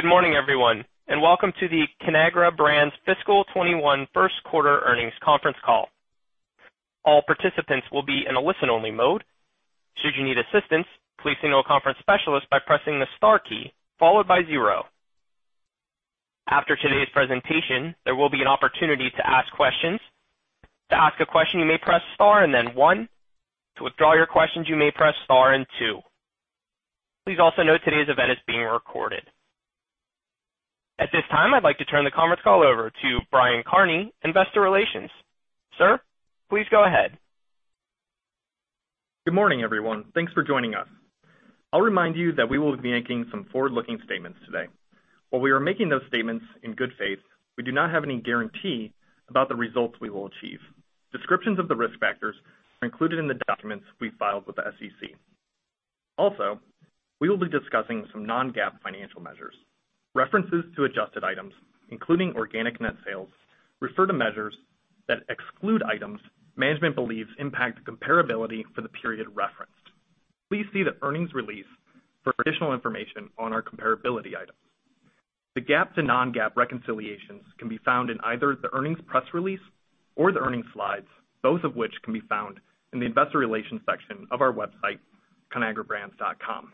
Good morning, everyone, and welcome to the Conagra Brands fiscal 2021 first quarter earnings conference call. All participants will be in a listen-only mode. Should you need assistance, please signal a conference specialist by pressing the star key followed by zero. After today's presentation, there will be an opportunity to ask questions. To ask a question, you may press star and then one. To withdraw your questions, you may press star and two. Please also note today's event is being recorded. At this time, I'd like to turn the conference call over to Brian Kearney, investor relations. Sir, please go ahead. Good morning, everyone. Thanks for joining us. I'll remind you that we will be making some forward-looking statements today. While we are making those statements in good faith, we do not have any guarantee about the results we will achieve. Descriptions of the risk factors are included in the documents we filed with the SEC. Also, we will be discussing some non-GAAP financial measures. References to adjusted items, including organic net sales, refer to measures that exclude items management believes impact the comparability for the period referenced. Please see the earnings release for additional information on our comparability items. The GAAP to non-GAAP reconciliations can be found in either the earnings press release or the earnings slides, both of which can be found in the investor relations section of our website, conagrabrands.com.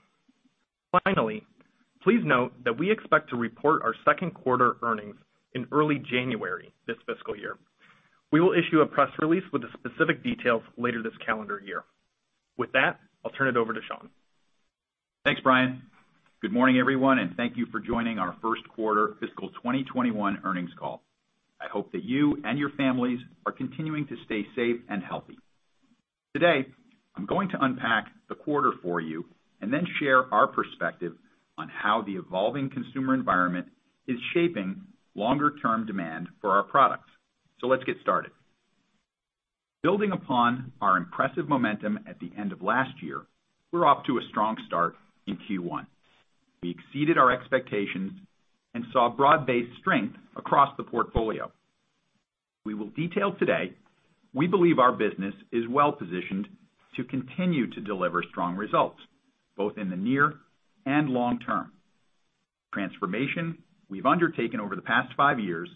Finally, please note that we expect to report our second quarter earnings in early January this fiscal year. We will issue a press release with the specific details later this calendar year. With that, I'll turn it over to Sean. Thanks, Brian. Good morning, everyone. Thank you for joining our first quarter fiscal 2021 earnings call. I hope that you and your families are continuing to stay safe and healthy. Today, I'm going to unpack the quarter for you. Then share our perspective on how the evolving consumer environment is shaping longer-term demand for our products. Let's get started. Building upon our impressive momentum at the end of last year, we're off to a strong start in Q1. We exceeded our expectations. Saw broad-based strength across the portfolio. We will detail today we believe our business is well-positioned to continue to deliver strong results, both in the near and long term. Transformation we've undertaken over the past five years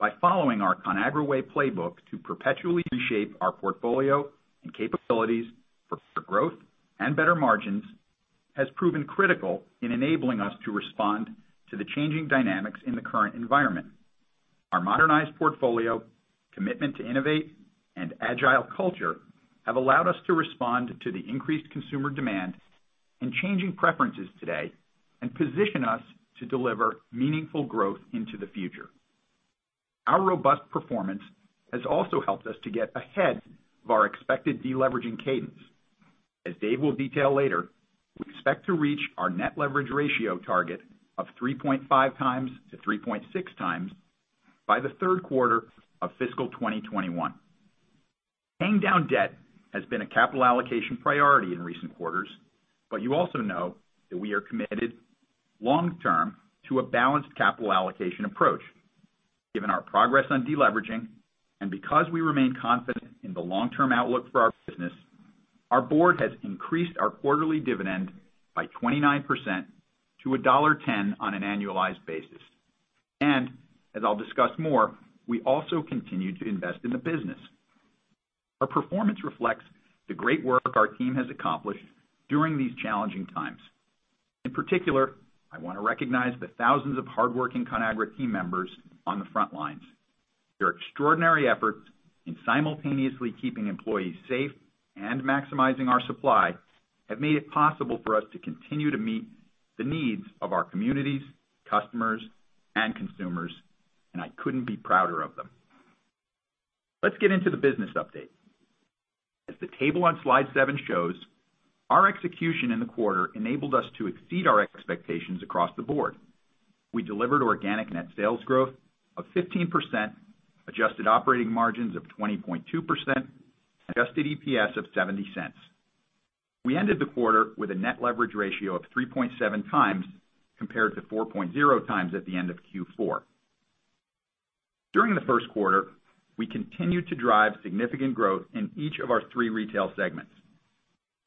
by following our Conagra Way playbook to perpetually shape our portfolio and capabilities for growth and better margins has proven critical in enabling us to respond to the changing dynamics in the current environment. Our modernized portfolio, commitment to innovate, and agile culture have allowed us to respond to the increased consumer demand and changing preferences today and position us to deliver meaningful growth into the future. Our robust performance has also helped us to get ahead of our expected de-leveraging cadence. As Dave will detail later, we expect to reach our net leverage ratio target of 3.5x-3.6x by the third quarter of fiscal 2021. Paying down debt has been a capital allocation priority in recent quarters, but you also know that we are committed long term to a balanced capital allocation approach. Given our progress on de-leveraging and because we remain confident in the long-term outlook for our business, our board has increased our quarterly dividend by 29% to $1.10 on an annualized basis. As I'll discuss more, we also continue to invest in the business. Our performance reflects the great work our team has accomplished during these challenging times. In particular, I want to recognize the thousands of hardworking Conagra Brands team members on the front lines. Their extraordinary efforts in simultaneously keeping employees safe and maximizing our supply have made it possible for us to continue to meet the needs of our communities, customers, and consumers, and I couldn't be prouder of them. Let's get into the business update. As the table on slide seven shows, our execution in the quarter enabled us to exceed our expectations across the board. We delivered organic net sales growth of 15%, adjusted operating margins of 20.2%, adjusted EPS of $0.70. We ended the quarter with a net leverage ratio of 3.7x compared to 4.0x at the end of Q4. During the first quarter, we continued to drive significant growth in each of our three retail segments.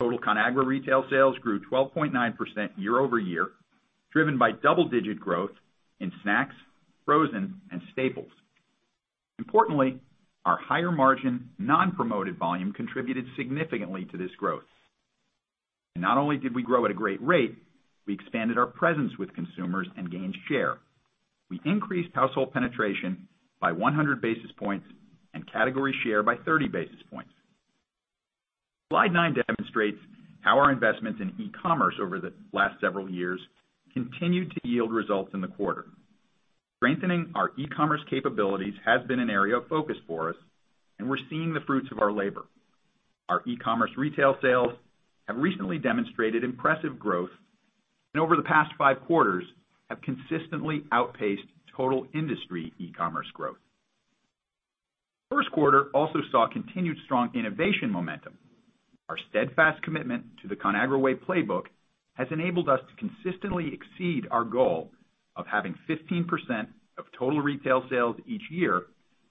Total Conagra retail sales grew 12.9% year-over-year, driven by double-digit growth in snacks, frozen, and staples. Importantly, our higher margin non-promoted volume contributed significantly to this growth. Not only did we grow at a great rate, we expanded our presence with consumers and gained share. We increased household penetration by 100 basis points and category share by 30 basis points. Slide nine demonstrates how our investments in e-commerce over the last several years continued to yield results in the quarter. Strengthening our e-commerce capabilities has been an area of focus for us, and we're seeing the fruits of our labor. Our e-commerce retail sales have recently demonstrated impressive growth and over the past five quarters have consistently outpaced total industry e-commerce growth. First quarter also saw continued strong innovation momentum. Our steadfast commitment to the Conagra Way playbook has enabled us to consistently exceed our goal of having 15% of total retail sales each year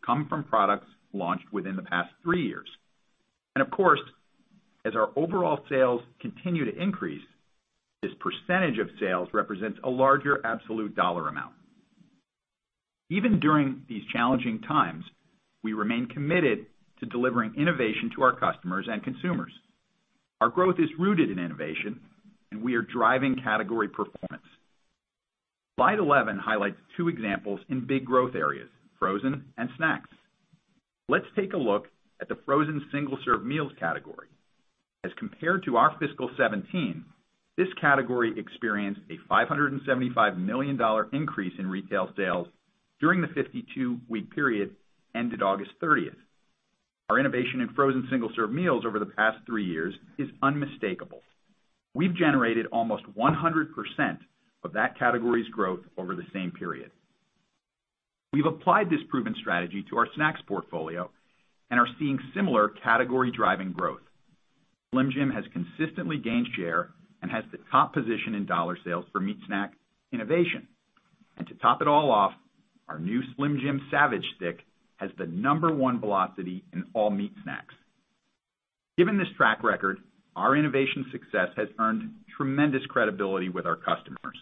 come from products launched within the past three years. Of course, as our overall sales continue to increase, this percentage of sales represents a larger absolute dollar amount. Even during these challenging times, we remain committed to delivering innovation to our customers and consumers. Our growth is rooted in innovation, and we are driving category performance. Slide 11 highlights two examples in big growth areas, frozen and snacks. Let's take a look at the frozen single-serve meals category. As compared to our fiscal 2017, this category experienced a $575 million increase in retail sales during the 52-week period ended August 30th. Our innovation in frozen single-serve meals over the past three years is unmistakable. We've generated almost 100% of that category's growth over the same period. We've applied this proven strategy to our snacks portfolio and are seeing similar category driving growth. Slim Jim has consistently gained share and has the top position in dollar sales for meat snack innovation. To top it all off, our new Slim Jim Savage Stick has the number one velocity in all meat snacks. Given this track record, our innovation success has earned tremendous credibility with our customers.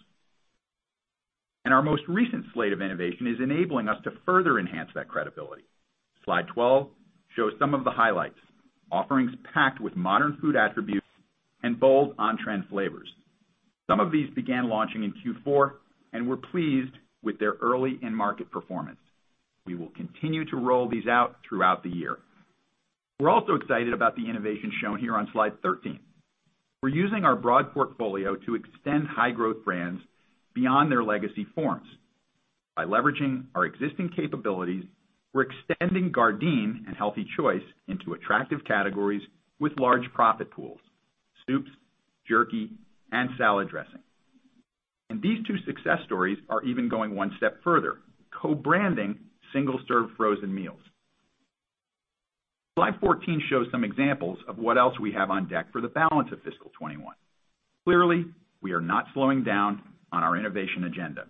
Our most recent slate of innovation is enabling us to further enhance that credibility. Slide 12 shows some of the highlights, offerings packed with modern food attributes and bold on-trend flavors. Some of these began launching in Q4, and we're pleased with their early in-market performance. We will continue to roll these out throughout the year. We're also excited about the innovation shown here on slide 13. We're using our broad portfolio to extend high-growth brands beyond their legacy forms. By leveraging our existing capabilities, we're extending Gardein and Healthy Choice into attractive categories with large profit pools, soups, jerky, and salad dressing. These two success stories are even going one step further, co-branding single-serve frozen meals. Slide 14 shows some examples of what else we have on deck for the balance of fiscal 2021. Clearly, we are not slowing down on our innovation agenda.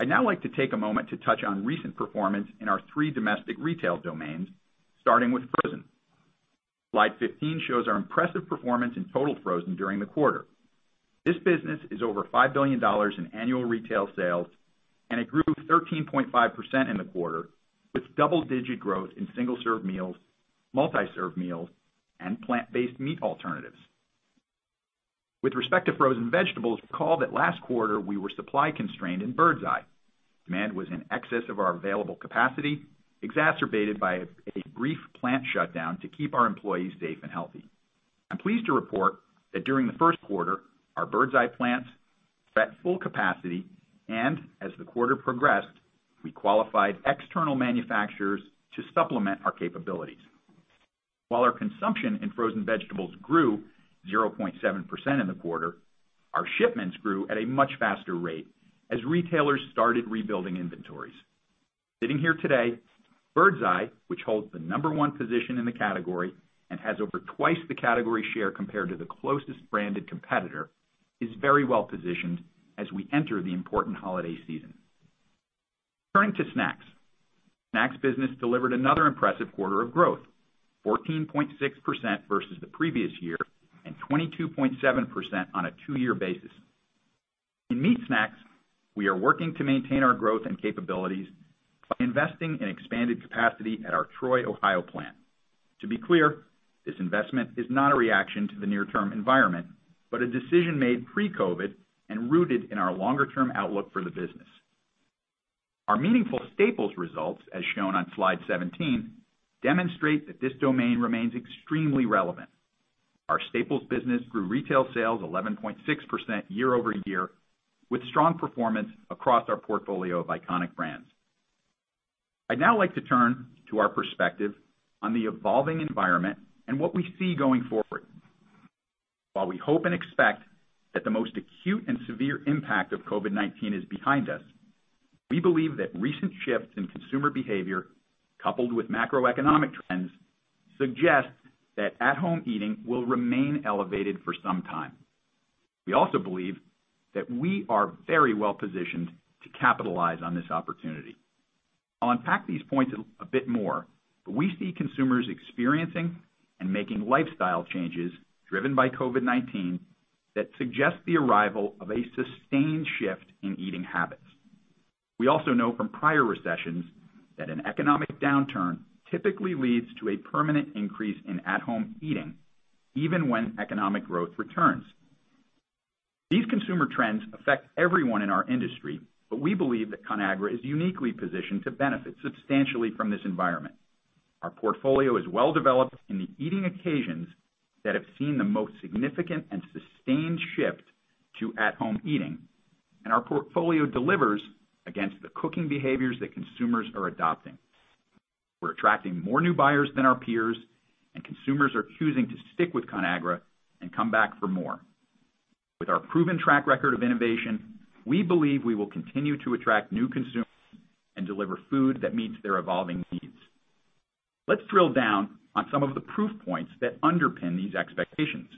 I'd now like to take a moment to touch on recent performance in our three domestic retail domains, starting with frozen. Slide 15 shows our impressive performance in total frozen during the quarter. This business is over $5 billion in annual retail sales, and it grew 13.5% in the quarter, with double-digit growth in single-serve meals, multi-serve meals, and plant-based meat alternatives. With respect to frozen vegetables, recall that last quarter we were supply constrained in Birds Eye. Demand was in excess of our available capacity, exacerbated by a brief plant shutdown to keep our employees safe and healthy. I'm pleased to report that during the first quarter, our Birds Eye plants were at full capacity, and as the quarter progressed, we qualified external manufacturers to supplement our capabilities. While our consumption in frozen vegetables grew 0.7% in the quarter, our shipments grew at a much faster rate as retailers started rebuilding inventories. Sitting here today, Birds Eye, which holds the number one position in the category and has over twice the category share compared to the closest branded competitor, is very well-positioned as we enter the important holiday season. Turning to snacks. Snacks business delivered another impressive quarter of growth, 14.6% versus the previous year and 22.7% on a two-year basis. In meat snacks, we are working to maintain our growth and capabilities by investing in expanded capacity at our Troy, Ohio plant. To be clear, this investment is not a reaction to the near-term environment, but a decision made pre-COVID and rooted in our longer-term outlook for the business. Our meaningful staples results, as shown on slide 17, demonstrate that this domain remains extremely relevant. Our staples business grew retail sales 11.6% year-over-year with strong performance across our portfolio of iconic brands. I'd now like to turn to our perspective on the evolving environment and what we see going forward. While we hope and expect that the most acute and severe impact of COVID-19 is behind us, we believe that recent shifts in consumer behavior, coupled with macroeconomic trends, suggest that at-home eating will remain elevated for some time. We also believe that we are very well-positioned to capitalize on this opportunity. I'll unpack these points a bit more, but we see consumers experiencing and making lifestyle changes driven by COVID-19 that suggest the arrival of a sustained shift in eating habits. We also know from prior recessions that an economic downturn typically leads to a permanent increase in at-home eating, even when economic growth returns. These consumer trends affect everyone in our industry, but we believe that Conagra is uniquely positioned to benefit substantially from this environment. Our portfolio is well-developed in the eating occasions that have seen the most significant and sustained shift to at-home eating, and our portfolio delivers against the cooking behaviors that consumers are adopting. We're attracting more new buyers than our peers, and consumers are choosing to stick with Conagra and come back for more. With our proven track record of innovation, we believe we will continue to attract new consumers and deliver food that meets their evolving needs. Let's drill down on some of the proof points that underpin these expectations,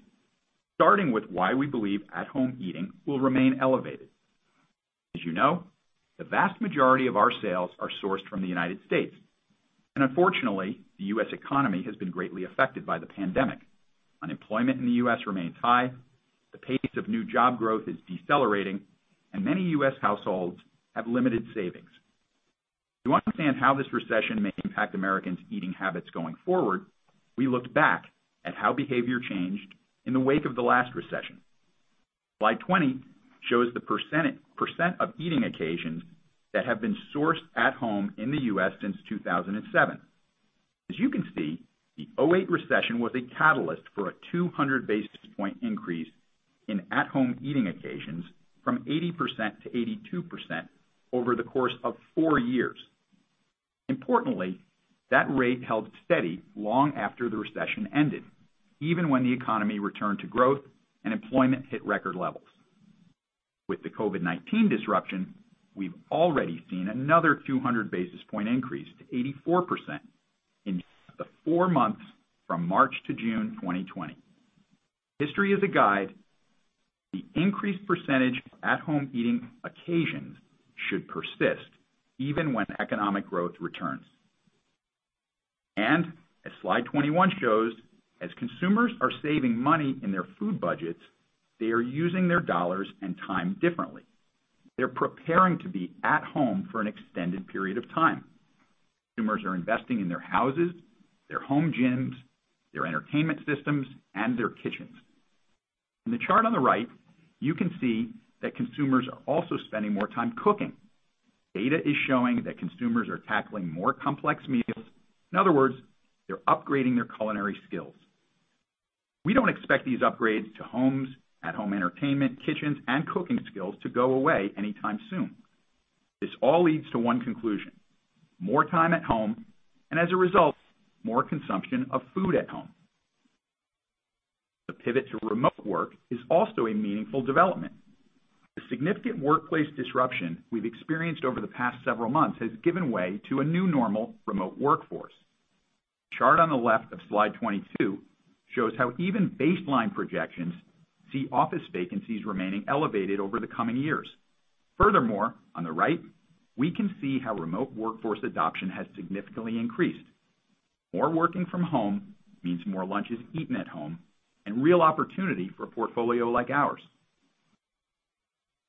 starting with why we believe at-home eating will remain elevated. As you know, the vast majority of our sales are sourced from the United States, and unfortunately, the U.S. economy has been greatly affected by the pandemic. Unemployment in the U.S. remains high, the pace of new job growth is decelerating, and many U.S. households have limited savings. To understand how this recession may impact Americans' eating habits going forward, we looked back at how behavior changed in the wake of the last recession. Slide 20 shows the percentage of eating occasions that have been sourced at home in the U.S. since 2007. You can see, the 2008 recession was a catalyst for a 200 basis point increase in at-home eating occasions from 80%-82% over the course of four years. Importantly, that rate held steady long after the recession ended, even when the economy returned to growth and employment hit record levels. With the COVID-19 disruption, we've already seen another 200 basis point increase to 84% in the four months from March to June 2020. History is a guide. The increased percentage of at-home eating occasions should persist even when economic growth returns. As slide 21 shows, as consumers are saving money in their food budgets, they are using their dollars and time differently. They're preparing to be at home for an extended period of time. Consumers are investing in their houses, their home gyms, their entertainment systems, and their kitchens. In the chart on the right, you can see that consumers are also spending more time cooking. Data is showing that consumers are tackling more complex meals. In other words, they're upgrading their culinary skills. We don't expect these upgrades to homes, at-home entertainment, kitchens, and cooking skills to go away anytime soon. This all leads to one conclusion, more time at home, and as a result, more consumption of food at home. The pivot to remote work is also a meaningful development. The significant workplace disruption we've experienced over the past several months has given way to a new normal remote workforce. Chart on the left of slide 22 shows how even baseline projections see office vacancies remaining elevated over the coming years. Furthermore, on the right, we can see how remote workforce adoption has significantly increased. More working from home means more lunches eaten at home and real opportunity for a portfolio like ours.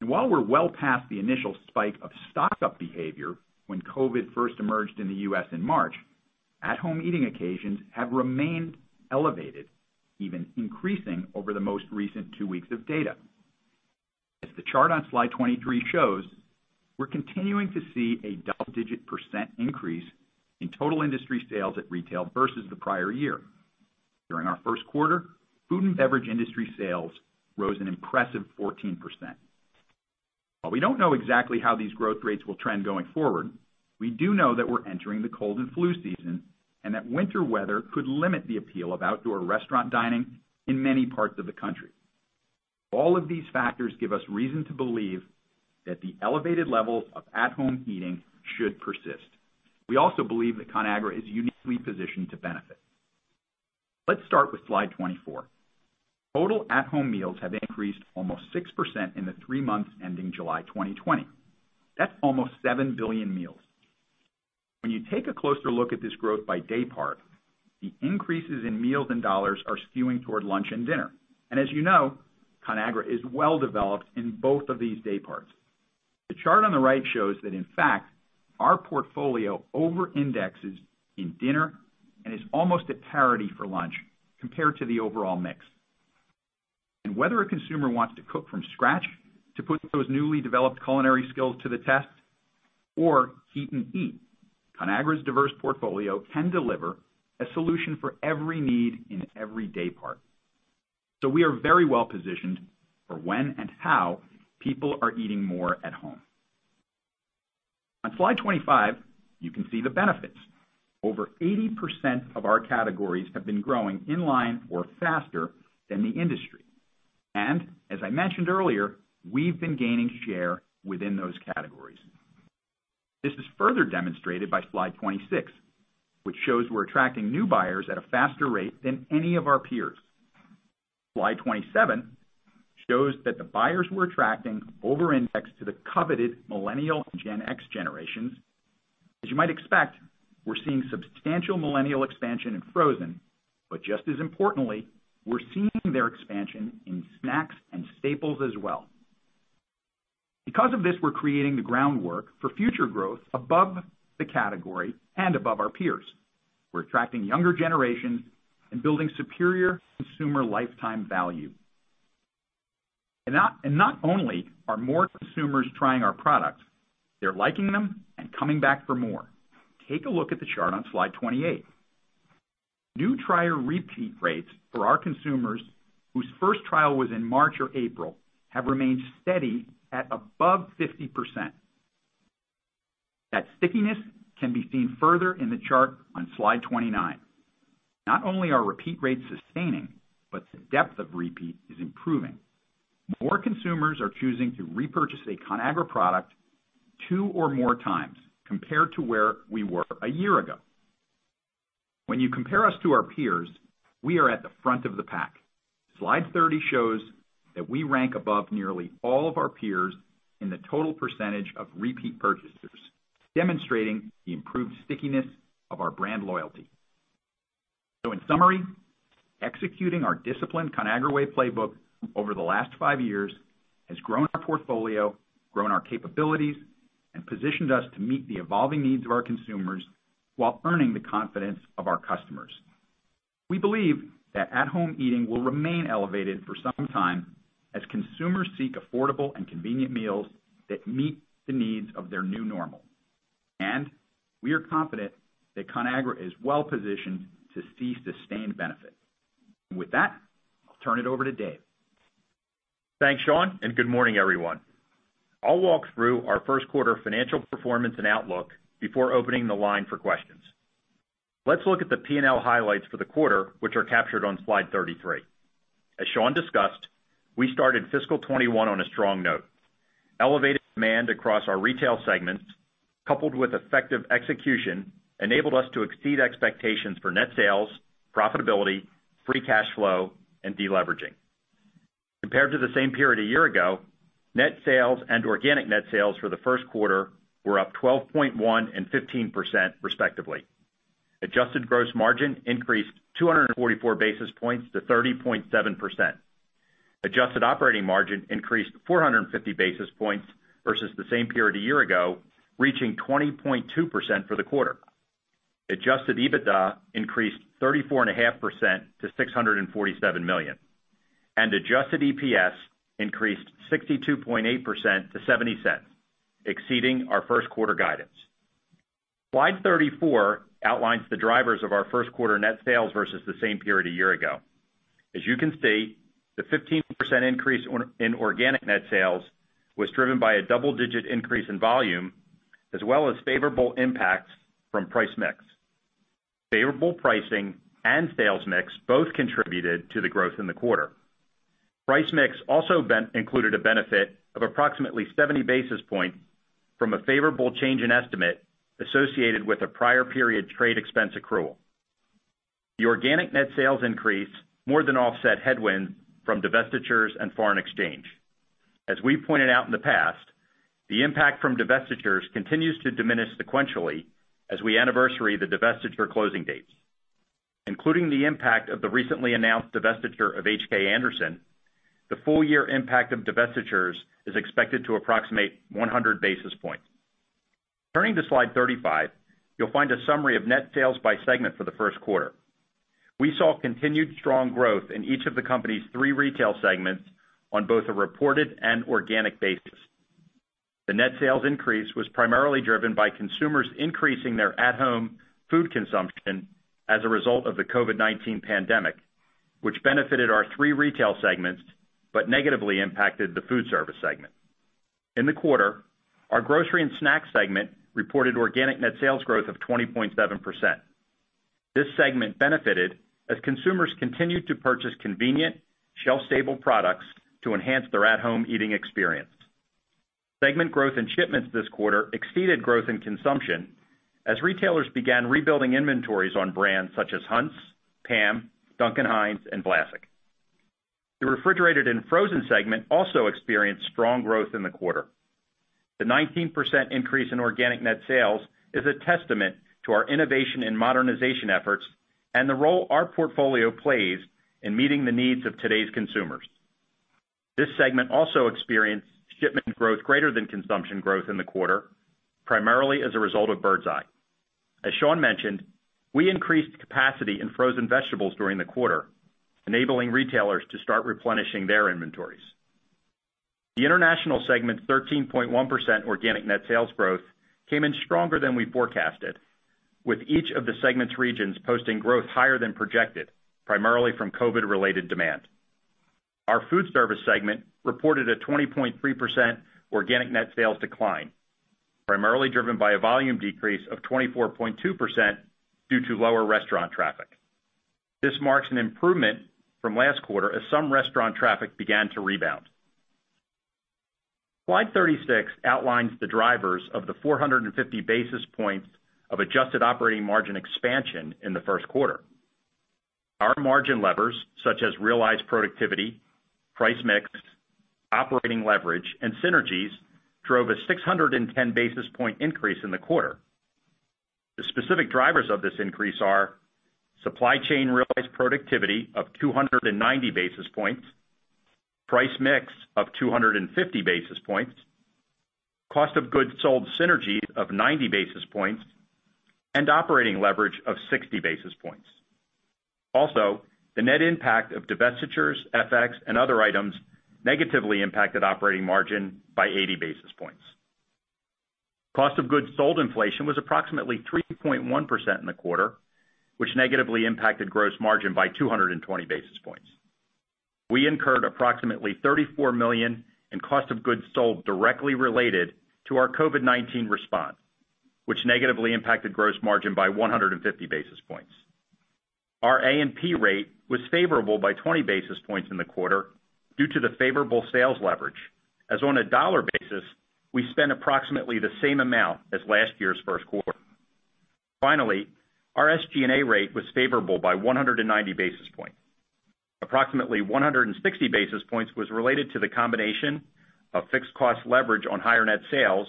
While we're well past the initial spike of stock-up behavior when COVID first emerged in the U.S. in March, at-home eating occasions have remained elevated, even increasing over the most recent two weeks of data. As the chart on slide 23 shows, we're continuing to see a double-digit percent increase in total industry sales at retail versus the prior year. During our first quarter, food and beverage industry sales rose an impressive 14%. While we don't know exactly how these growth rates will trend going forward, we do know that we're entering the cold and flu season, and that winter weather could limit the appeal of outdoor restaurant dining in many parts of the country. All of these factors give us reason to believe that the elevated levels of at-home eating should persist. We also believe that Conagra is uniquely positioned to benefit. Let's start with slide 24. Total at-home meals have increased almost 6% in the three months ending July 2020. That's almost 7 billion meals. When you take a closer look at this growth by day part, the increases in meals and dollars are skewing toward lunch and dinner. As you know, Conagra is well developed in both of these day parts. The chart on the right shows that in fact, our portfolio over indexes in dinner and is almost at parity for lunch compared to the overall mix. Whether a consumer wants to cook from scratch to put those newly developed culinary skills to the test or heat and eat, Conagra's diverse portfolio can deliver a solution for every need in every day part. We are very well positioned for when and how people are eating more at home. On slide 25, you can see the benefits. Over 80% of our categories have been growing in line or faster than the industry. As I mentioned earlier, we've been gaining share within those categories. This is further demonstrated by slide 26, which shows we're attracting new buyers at a faster rate than any of our peers. Slide 27 shows that the buyers we're attracting over-index to the coveted millennial and Gen X generations. As you might expect, we're seeing substantial millennial expansion in frozen, but just as importantly, we're seeing their expansion in snacks and staples as well. Because of this, we're creating the groundwork for future growth above the category and above our peers. We're attracting younger generations and building superior consumer lifetime value. Not only are more consumers trying our products, they are liking them and coming back for more. Take a look at the chart on slide 28. New trial repeat rates for our consumers whose first trial was in March or April have remained steady at above 50%. That stickiness can be seen further in the chart on slide 29. Not only are repeat rates sustaining, but the depth of repeat is improving. More consumers are choosing to repurchase a Conagra product two or more times compared to where we were a year ago. When you compare us to our peers, we are at the front of the pack. Slide 30 shows that we rank above nearly all of our peers in the total percentage of repeat purchasers, demonstrating the improved stickiness of our brand loyalty. In summary, executing our disciplined Conagra Way playbook over the last five years has grown our portfolio, grown our capabilities, and positioned us to meet the evolving needs of our consumers while earning the confidence of our customers. We believe that at-home eating will remain elevated for some time as consumers seek affordable and convenient meals that meet the needs of their new normal. We are confident that Conagra is well-positioned to see sustained benefit. With that, I'll turn it over to Dave. Thanks, Sean, good morning, everyone. I'll walk through our first quarter financial performance and outlook before opening the line for questions. Let's look at the P&L highlights for the quarter, which are captured on slide 33. As Sean discussed, we started fiscal 2021 on a strong note. Elevated demand across our retail segments, coupled with effective execution, enabled us to exceed expectations for net sales, profitability, free cash flow, and deleveraging. Compared to the same period a year ago, net sales and organic net sales for the first quarter were up 12.1% and 15%, respectively. Adjusted gross margin increased 244 basis points to 30.7%. Adjusted operating margin increased 450 basis points versus the same period a year ago, reaching 20.2% for the quarter. Adjusted EBITDA increased 34.5% to $647 million, and adjusted EPS increased 62.8% to $0.70, exceeding our first quarter guidance. Slide 34 outlines the drivers of our first quarter net sales versus the same period a year ago. As you can see, the 15% increase in organic net sales was driven by a double-digit increase in volume, as well as favorable impacts from price mix. Favorable pricing and sales mix both contributed to the growth in the quarter. Price mix also included a benefit of approximately 70 basis points from a favorable change in estimate associated with a prior period trade expense accrual. The organic net sales increase more than offset headwinds from divestitures and foreign exchange. As we pointed out in the past, the impact from divestitures continues to diminish sequentially as we anniversary the divestiture closing dates. Including the impact of the recently announced divestiture of H.K. Anderson, the full year impact of divestitures is expected to approximate 100 basis points. Turning to slide 35, you'll find a summary of net sales by segment for the first quarter. We saw continued strong growth in each of the company's three retail segments on both a reported and organic basis. The net sales increase was primarily driven by consumers increasing their at-home food consumption as a result of the COVID-19 pandemic, which benefited our three retail segments, but negatively impacted the food service segment. In the quarter, our grocery and snack segment reported organic net sales growth of 20.7%. This segment benefited as consumers continued to purchase convenient, shelf-stable products to enhance their at-home eating experience. Segment growth and shipments this quarter exceeded growth and consumption as retailers began rebuilding inventories on brands such as Hunt's, PAM, Duncan Hines, and Vlasic. The refrigerated and frozen segment also experienced strong growth in the quarter. The 19% increase in organic net sales is a testament to our innovation and modernization efforts and the role our portfolio plays in meeting the needs of today's consumers. This segment also experienced shipment growth greater than consumption growth in the quarter, primarily as a result of Birds Eye. As Sean mentioned, we increased capacity in frozen vegetables during the quarter, enabling retailers to start replenishing their inventories. The international segment's 13.1% organic net sales growth came in stronger than we forecasted, with each of the segment's regions posting growth higher than projected, primarily from COVID-related demand. Our foodservice segment reported a 20.3% organic net sales decline, primarily driven by a volume decrease of 24.2% due to lower restaurant traffic. This marks an improvement from last quarter as some restaurant traffic began to rebound. Slide 36 outlines the drivers of the 450 basis points of adjusted operating margin expansion in the first quarter. Our margin levers, such as realized productivity, price mix, operating leverage, and synergies, drove a 610 basis point increase in the quarter. The specific drivers of this increase are supply chain realized productivity of 290 basis points, price mix of 250 basis points, cost of goods sold synergies of 90 basis points, and operating leverage of 60 basis points. Also, the net impact of divestitures, FX, and other items negatively impacted operating margin by 80 basis points. Cost of goods sold inflation was approximately 3.1% in the quarter, which negatively impacted gross margin by 220 basis points. We incurred approximately $34 million in cost of goods sold directly related to our COVID-19 response, which negatively impacted gross margin by 150 basis points. Our A&P rate was favorable by 20 basis points in the quarter due to the favorable sales leverage. On a dollar basis, we spent approximately the same amount as last year's first quarter. Our SG&A rate was favorable by 190 basis points. Approximately 160 basis points was related to the combination of fixed cost leverage on higher net sales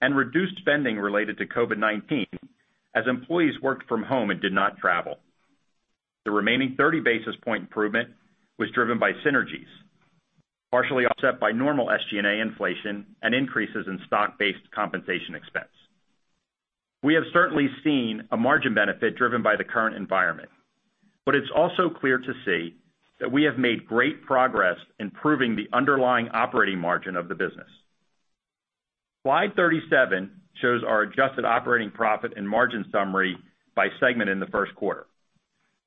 and reduced spending related to COVID-19 as employees worked from home and did not travel. The remaining 30 basis point improvement was driven by synergies, partially offset by normal SG&A inflation and increases in stock-based compensation expense. We have certainly seen a margin benefit driven by the current environment, but it's also clear to see that we have made great progress improving the underlying operating margin of the business. Slide 37 shows our adjusted operating profit and margin summary by segment in the first quarter.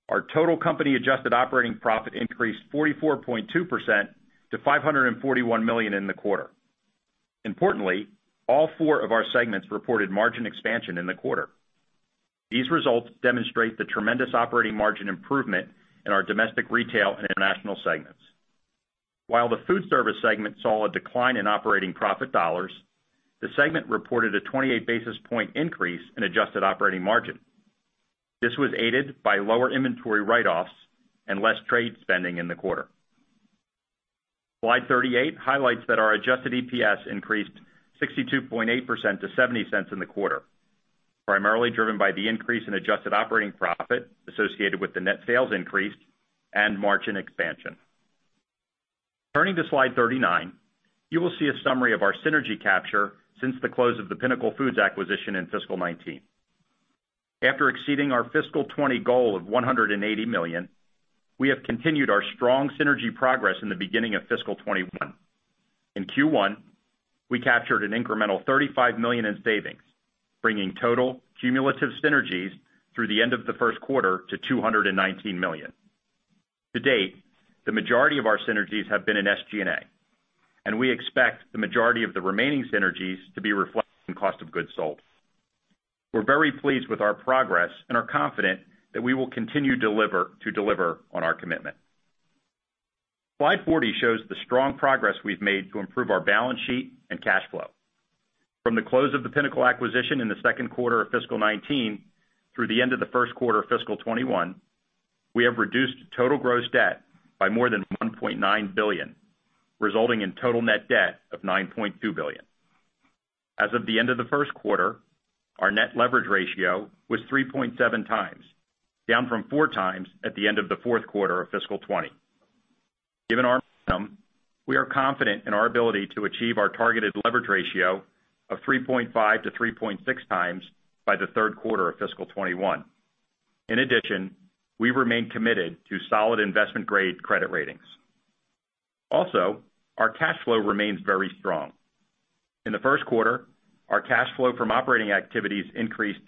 Our total company adjusted operating profit increased 44.2% to $541 million in the quarter. Importantly, all four of our segments reported margin expansion in the quarter. These results demonstrate the tremendous operating margin improvement in our domestic retail and international segments. While the food service segment saw a decline in operating profit dollars, the segment reported a 28 basis point increase in adjusted operating margin. This was aided by lower inventory write-offs and less trade spending in the quarter. Slide 38 highlights that our adjusted EPS increased 62.8% to $0.70 in the quarter, primarily driven by the increase in adjusted operating profit associated with the net sales increase and margin expansion. Turning to slide 39, you will see a summary of our synergy capture since the close of the Pinnacle Foods acquisition in fiscal 2019. After exceeding our fiscal 2020 goal of $180 million, we have continued our strong synergy progress in the beginning of fiscal 2021. In Q1, we captured an incremental $35 million in savings, bringing total cumulative synergies through the end of the first quarter to $219 million. To date, the majority of our synergies have been in SG&A, and we expect the majority of the remaining synergies to be reflected in cost of goods sold. We're very pleased with our progress and are confident that we will continue to deliver on our commitment. Slide 40 shows the strong progress we've made to improve our balance sheet and cash flow. From the close of the Pinnacle acquisition in the second quarter of fiscal 2019 through the end of the first quarter of fiscal 2021, we have reduced total gross debt by more than $1.9 billion, resulting in total net debt of $9.2 billion. As of the end of the first quarter, our net leverage ratio was 3.7x, down from 4x at the end of the fourth quarter of fiscal 2020. Given our momentum, we are confident in our ability to achieve our targeted leverage ratio of 3.5x-3.6x by the third quarter of fiscal 2021. In addition, we remain committed to solid investment-grade credit ratings. Also, our cash flow remains very strong. In the first quarter, our cash flow from operating activities increased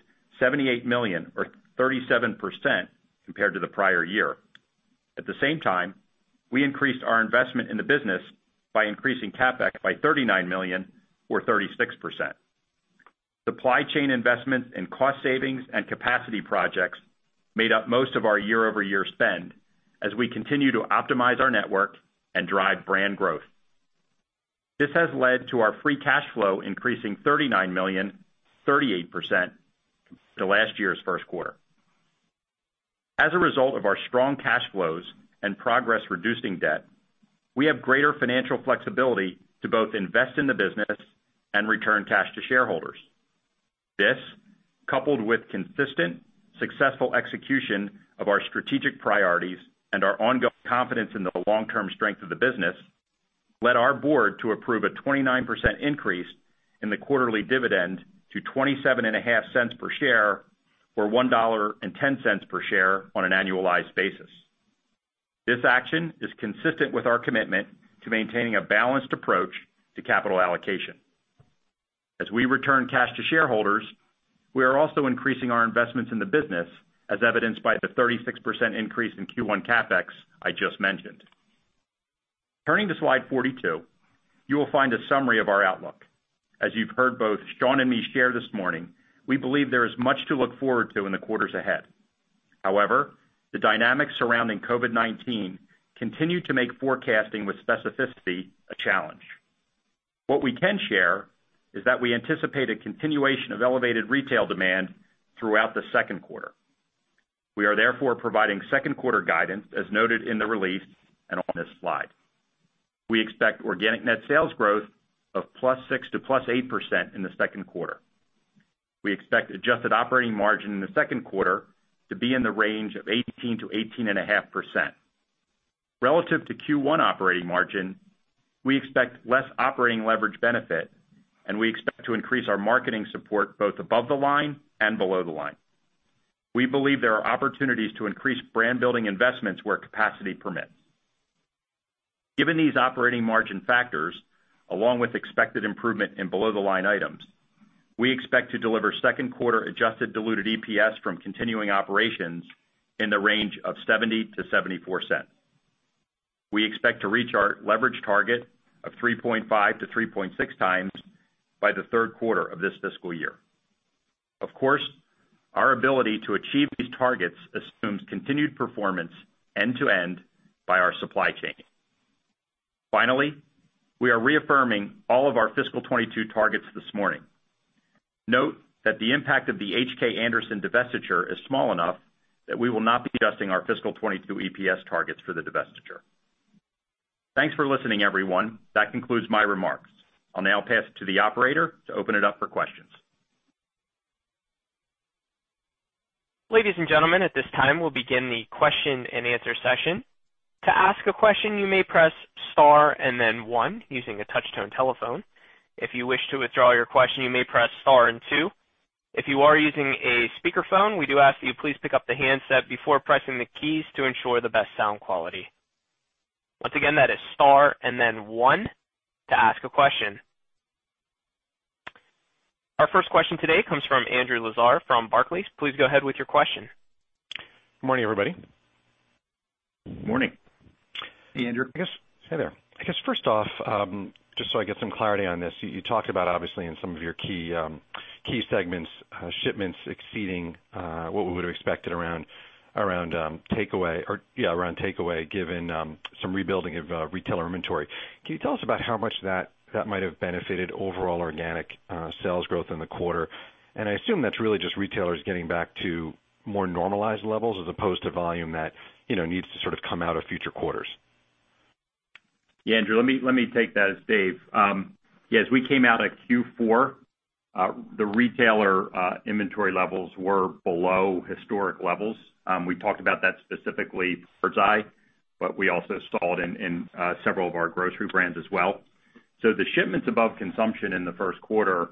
$78 million or 37% compared to the prior year. At the same time, we increased our investment in the business by increasing CapEx by $39 million or 36%. Supply chain investments and cost savings and capacity projects made up most of our year-over-year spend as we continue to optimize our network and drive brand growth. This has led to our free cash flow increasing $39 million, 38%, to last year's first quarter. As a result of our strong cash flows and progress reducing debt, we have greater financial flexibility to both invest in the business and return cash to shareholders. This, coupled with consistent, successful execution of our strategic priorities and our ongoing confidence in the long-term strength of the business, led our board to approve a 29% increase in the quarterly dividend to $0.275 per share or $1.10 per share on an annualized basis. This action is consistent with our commitment to maintaining a balanced approach to capital allocation. As we return cash to shareholders, we are also increasing our investments in the business, as evidenced by the 36% increase in Q1 CapEx I just mentioned. Turning to slide 42, you will find a summary of our outlook. As you've heard both Sean and me share this morning, we believe there is much to look forward to in the quarters ahead. However, the dynamics surrounding COVID-19 continue to make forecasting with specificity a challenge. What we can share is that we anticipate a continuation of elevated retail demand throughout the second quarter. We are therefore providing second quarter guidance as noted in the release and on this slide. We expect organic net sales growth of +6% to +8% in the second quarter. We expect adjusted operating margin in the second quarter to be in the range of 18%-18.5%. Relative to Q1 operating margin, we expect less operating leverage benefit, and we expect to increase our marketing support both above the line and below the line. We believe there are opportunities to increase brand-building investments where capacity permits. Given these operating margin factors, along with expected improvement in below-the-line items, we expect to deliver second quarter adjusted diluted EPS from continuing operations in the range of $0.70-$0.74. We expect to reach our leverage target of 3.5x-3.6x by the third quarter of this fiscal year. Of course, our ability to achieve these targets assumes continued performance end-to-end by our supply chain. Finally, we are reaffirming all of our fiscal 2022 targets this morning. Note that the impact of the H.K. Anderson divestiture is small enough that we will not be adjusting our fiscal 2022 EPS targets for the divestiture. Thanks for listening, everyone. That concludes my remarks. I'll now pass it to the operator to open it up for questions. Ladies and gentlemen, at this time we will begin the question-and-answer session. To ask a question, you may press star and then one using the touch-tone telephone. If you wish to withdraw your question, you may press star then two. If you are using a speaker phone, we do ask you to please pick up the handset before pressing the keys to ensure the best sound quality. Again, that is star and then one to ask a question. Our first question today comes from Andrew Lazar from Barclays. Please go ahead with your question. Good morning, everybody. Morning. Hey, Andrew. Hey there. I guess first off, just so I get some clarity on this, you talked about, obviously, in some of your key segments, shipments exceeding what we would have expected around takeaway, given some rebuilding of retailer inventory. Can you tell us about how much that might have benefited overall organic sales growth in the quarter? I assume that's really just retailers getting back to more normalized levels as opposed to volume that needs to sort of come out of future quarters. Andrew, let me take that, it's Dave. As we came out of Q4, the retailer inventory levels were below historic levels. We talked about that specifically for Birds Eye, but we also saw it in several of our grocery brands as well. The shipments above consumption in the first quarter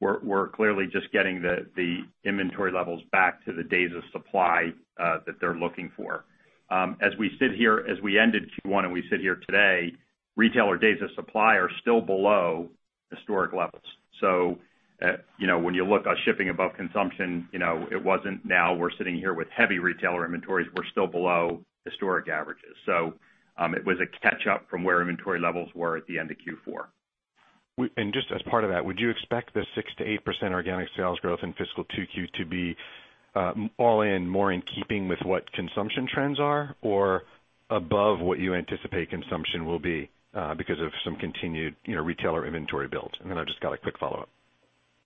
were clearly just getting the inventory levels back to the days of supply that they're looking for. As we ended Q1 and we sit here today, retailer days of supply are still below historic levels. When you look at shipping above consumption, it wasn't now we're sitting here with heavy retailer inventories, we're still below historic averages. It was a catch-up from where inventory levels were at the end of Q4. Just as part of that, would you expect the 6%-8% organic sales growth in fiscal 2Q to be all in more in keeping with what consumption trends are or above what you anticipate consumption will be because of some continued retailer inventory build? I've just got a quick follow-up.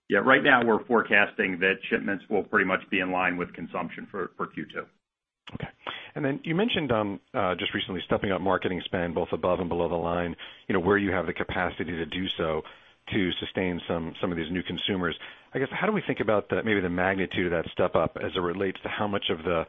Yeah, right now we're forecasting that shipments will pretty much be in line with consumption for Q2. Okay. You mentioned, just recently, stepping up marketing spend both above and below the line, where you have the capacity to do so to sustain some of these new consumers. I guess, how do we think about maybe the magnitude of that step up as it relates to how much of the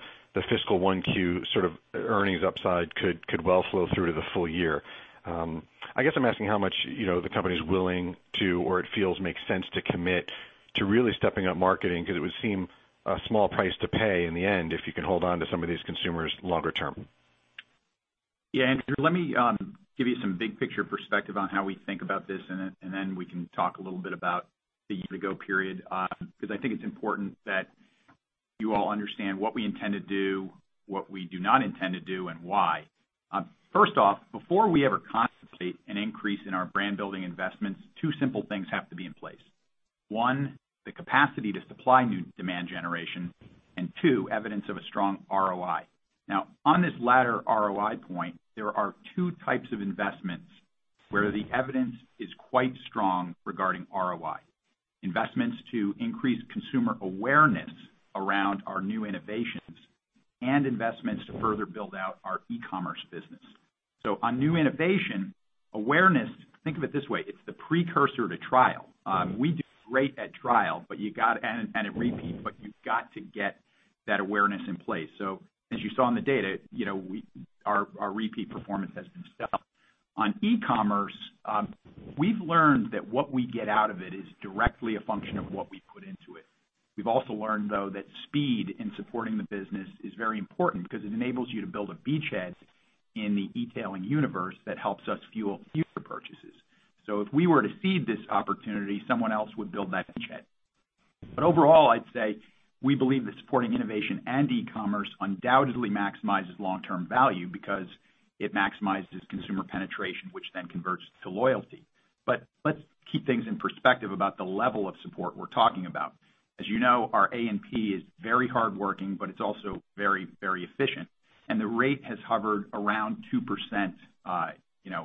fiscal 1Q sort of earnings upside could well flow through to the full year? I guess I'm asking how much the company's willing to, or it feels makes sense to commit to really stepping up marketing, because it would seem a small price to pay in the end if you can hold on to some of these consumers longer term. Yeah, Andrew, let me give you some big picture perspective on how we think about this, and then we can talk a little bit about the year ago period. Because I think it's important that you all understand what we intend to do, what we do not intend to do, and why. First off, before we ever contemplate an increase in our brand-building investments, two simple things have to be in place. One, the capacity to supply new demand generation, and two, evidence of a strong ROI. Now, on this latter ROI point, there are two types of investments where the evidence is quite strong regarding ROI. Investments to increase consumer awareness around our new innovations and investments to further build out our e-commerce business. On new innovation, awareness, think of it this way, it's the precursor to trial. We do great at trial and at repeat, you've got to get that awareness in place. As you saw in the data, our repeat performance has been stepped up. On e-commerce, we've learned that what we get out of it is directly a function of what we put into it. We've also learned, though, that speed in supporting the business is very important because it enables you to build a beachhead in the e-tailing universe that helps us fuel future purchases. If we were to cede this opportunity, someone else would build that beachhead. Overall, I'd say we believe that supporting innovation and e-commerce undoubtedly maximizes long-term value because it maximizes consumer penetration, which then converts to loyalty. Let's keep things in perspective about the level of support we're talking about. As you know, our A&P is very hardworking, but it's also very efficient, and the rate has hovered around 2%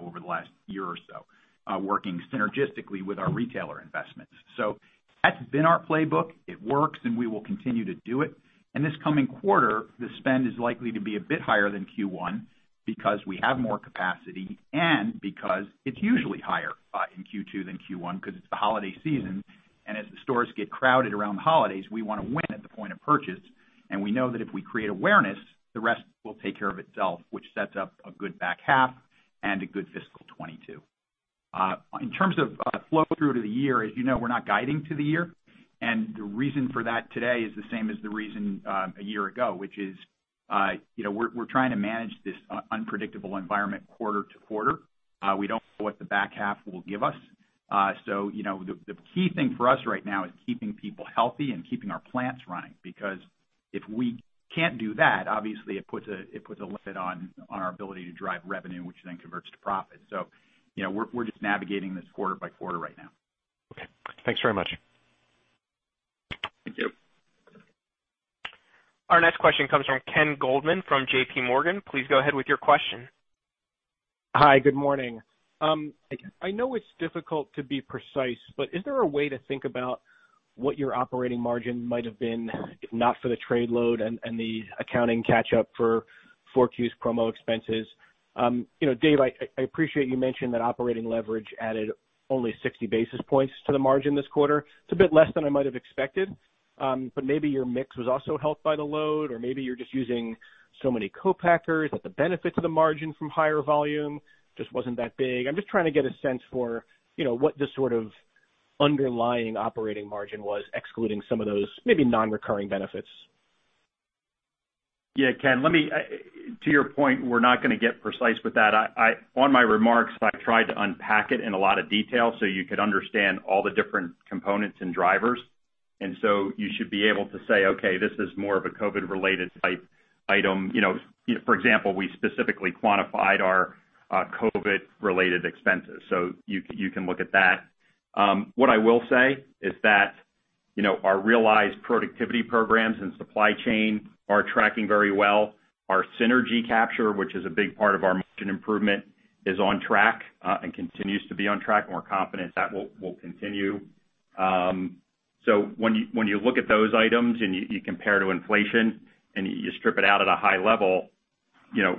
over the last year or so, working synergistically with our retailer investments. That's been our playbook. It works, and we will continue to do it. In this coming quarter, the spend is likely to be a bit higher than Q1 because we have more capacity and because it's usually higher in Q2 than Q1 because it's the holiday season. As the stores get crowded around the holidays, we want to win at the point of purchase, and we know that if we create awareness, the rest will take care of itself, which sets up a good back half and a good fiscal 2022. In terms of flow through to the year, as you know, we're not guiding to the year, and the reason for that today is the same as the reason a year ago, which is we're trying to manage this unpredictable environment quarter-to-quarter. We don't know what the back half will give us. The key thing for us right now is keeping people healthy and keeping our plants running, because if we can't do that, obviously it puts a limit on our ability to drive revenue, which then converts to profit. We're just navigating this quarter-by-quarter right now. Okay. Thanks very much. Thank you. Our next question comes from Ken Goldman from JPMorgan. Please go ahead with your question. Hi. Good morning. I know it's difficult to be precise, but is there a way to think about what your operating margin might have been if not for the trade load and the accounting catch up for 4Q's promo expenses? Dave, I appreciate you mentioned that operating leverage added only 60 basis points to the margin this quarter. It's a bit less than I might have expected. Maybe your mix was also helped by the load. Maybe you're just using so many co-packers that the benefit to the margin from higher volume just wasn't that big. I'm just trying to get a sense for what the sort of underlying operating margin was, excluding some of those maybe non-recurring benefits. Yeah, Ken, to your point, we're not going to get precise with that. On my remarks, I tried to unpack it in a lot of detail so you could understand all the different components and drivers. You should be able to say, okay, this is more of a COVID-related type item. For example, we specifically quantified our COVID-related expenses. You can look at that. What I will say is that our realized productivity programs and supply chain are tracking very well. Our synergy capture, which is a big part of our margin improvement, is on track and continues to be on track, and we're confident that will continue. When you look at those items and you compare to inflation and you strip it out at a high level,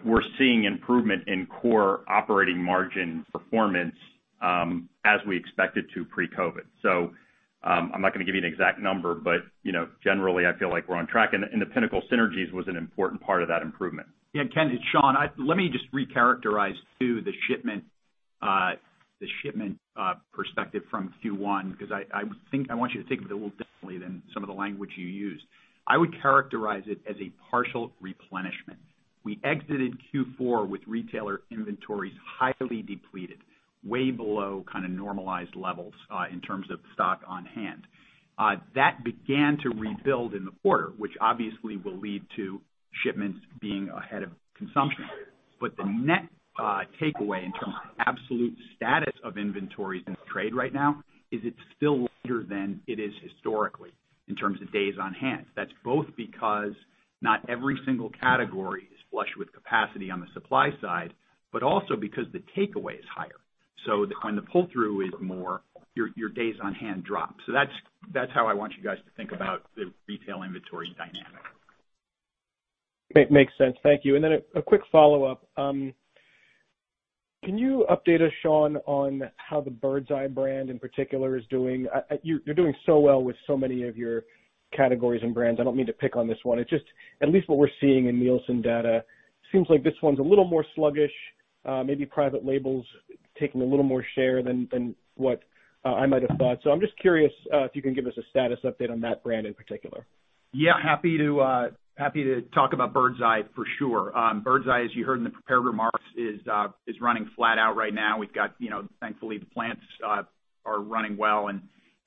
we're seeing improvement in core operating margin performance as we expected to pre-COVID. I'm not going to give you an exact number, but generally, I feel like we're on track, and the Pinnacle synergies was an important part of that improvement. Yeah, Ken, it's Sean. Let me just recharacterize, too, the shipment perspective from Q1, because I want you to take it a little differently than some of the language you used. I would characterize it as a partial replenishment. We exited Q4 with retailer inventories highly depleted, way below normalized levels in terms of stock on hand. That began to rebuild in the quarter, which obviously will lead to shipments being ahead of consumption. The net takeaway in terms of absolute status of inventories in the trade right now is it's still lower than it is historically in terms of days on hand. That's both because not every single category is flush with capacity on the supply side, but also because the takeaway is higher. When the pull-through is more, your days on hand drop. That's how I want you guys to think about the retail inventory dynamic. Makes sense. Thank you. A quick follow-up. Can you update us, Sean, on how the Birds Eye brand in particular is doing? You're doing so well with so many of your categories and brands, I don't mean to pick on this one. It's just, at least what we're seeing in Nielsen data, seems like this one's a little more sluggish. Maybe private labels taking a little more share than what I might have thought. I'm just curious if you can give us a status update on that brand in particular. Yeah, happy to talk about Birds Eye for sure. Birds Eye, as you heard in the prepared remarks, is running flat out right now. Thankfully the plants are running well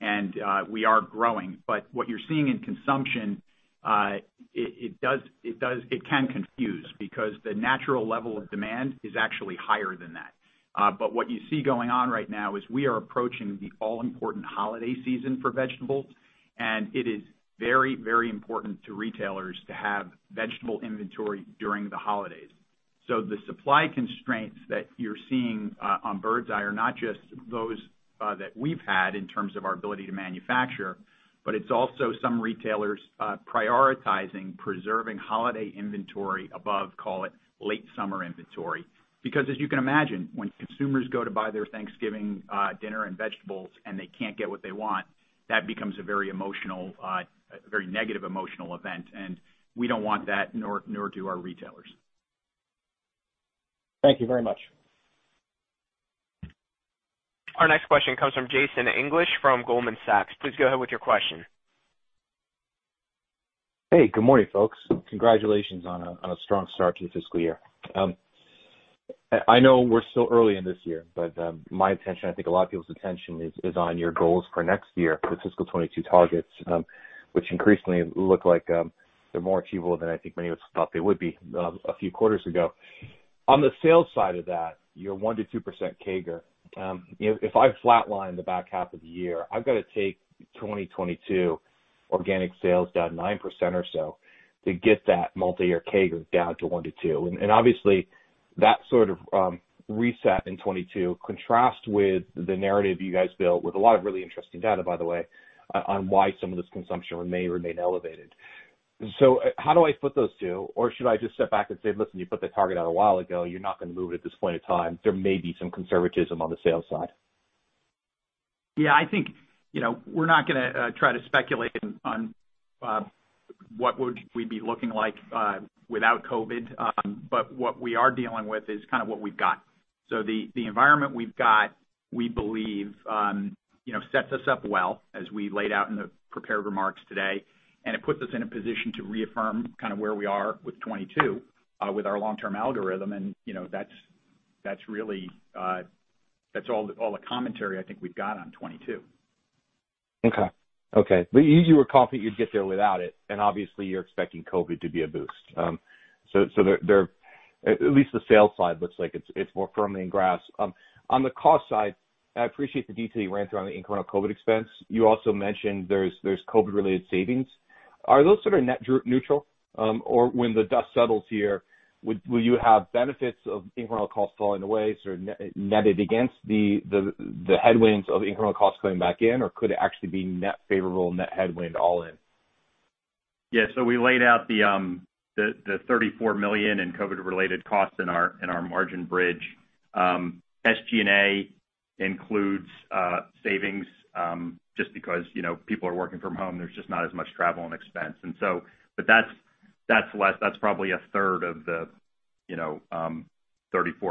and we are growing. What you're seeing in consumption, it can confuse because the natural level of demand is actually higher than that. What you see going on right now is we are approaching the all-important holiday season for vegetables, and it is very, very important to retailers to have vegetable inventory during the holidays. The supply constraints that you're seeing on Birds Eye are not just those that we've had in terms of our ability to manufacture, but it's also some retailers prioritizing preserving holiday inventory above, call it late summer inventory. As you can imagine, when consumers go to buy their Thanksgiving dinner and vegetables and they can't get what they want, that becomes a very negative emotional event, and we don't want that, nor do our retailers. Thank you very much. Our next question comes from Jason English from Goldman Sachs. Please go ahead with your question. Hey, good morning, folks. Congratulations on a strong start to the fiscal year. I know we're still early in this year, but my attention, I think a lot of people's attention is on your goals for next year, the fiscal 2022 targets, which increasingly look like they're more achievable than I think many of us thought they would be a few quarters ago. On the sales side of that, your 1%-2% CAGR. If I flatline the back half of the year, I've got to take 2022 organic sales down 9% or so to get that multi-year CAGR down to 1%-2%. Obviously that sort of reset in 2022 contrasts with the narrative you guys built with a lot of really interesting data, by the way, on why some of this consumption may remain elevated. How do I put those two? Should I just sit back and say, listen, you put the target out a while ago, you're not going to move it at this point in time. There may be some conservatism on the sales side. Yeah, I think we're not going to try to speculate on what would we be looking like without COVID. What we are dealing with is kind of what we've got. The environment we've got, we believe sets us up well as we laid out in the prepared remarks today, and it puts us in a position to reaffirm where we are with 2022 with our long-term algorithm, and that's all the commentary I think we've got on 2022. Okay. You were confident you'd get there without it, and obviously you're expecting COVID to be a boost. At least the sales side looks like it's more firmly in grasp. On the cost side, I appreciate the detail you ran through on the incremental COVID expense. You also mentioned there's COVID related savings. Are those sort of net neutral? When the dust settles here, will you have benefits of incremental costs falling away, sort of netted against the headwinds of incremental costs going back in? Or could it actually be net favorable, net headwind all in? Yeah. We laid out the $34 million in COVID related costs in our margin bridge. SG&A includes savings, just because people are working from home, there's just not as much travel and expense. That's probably a third of the $34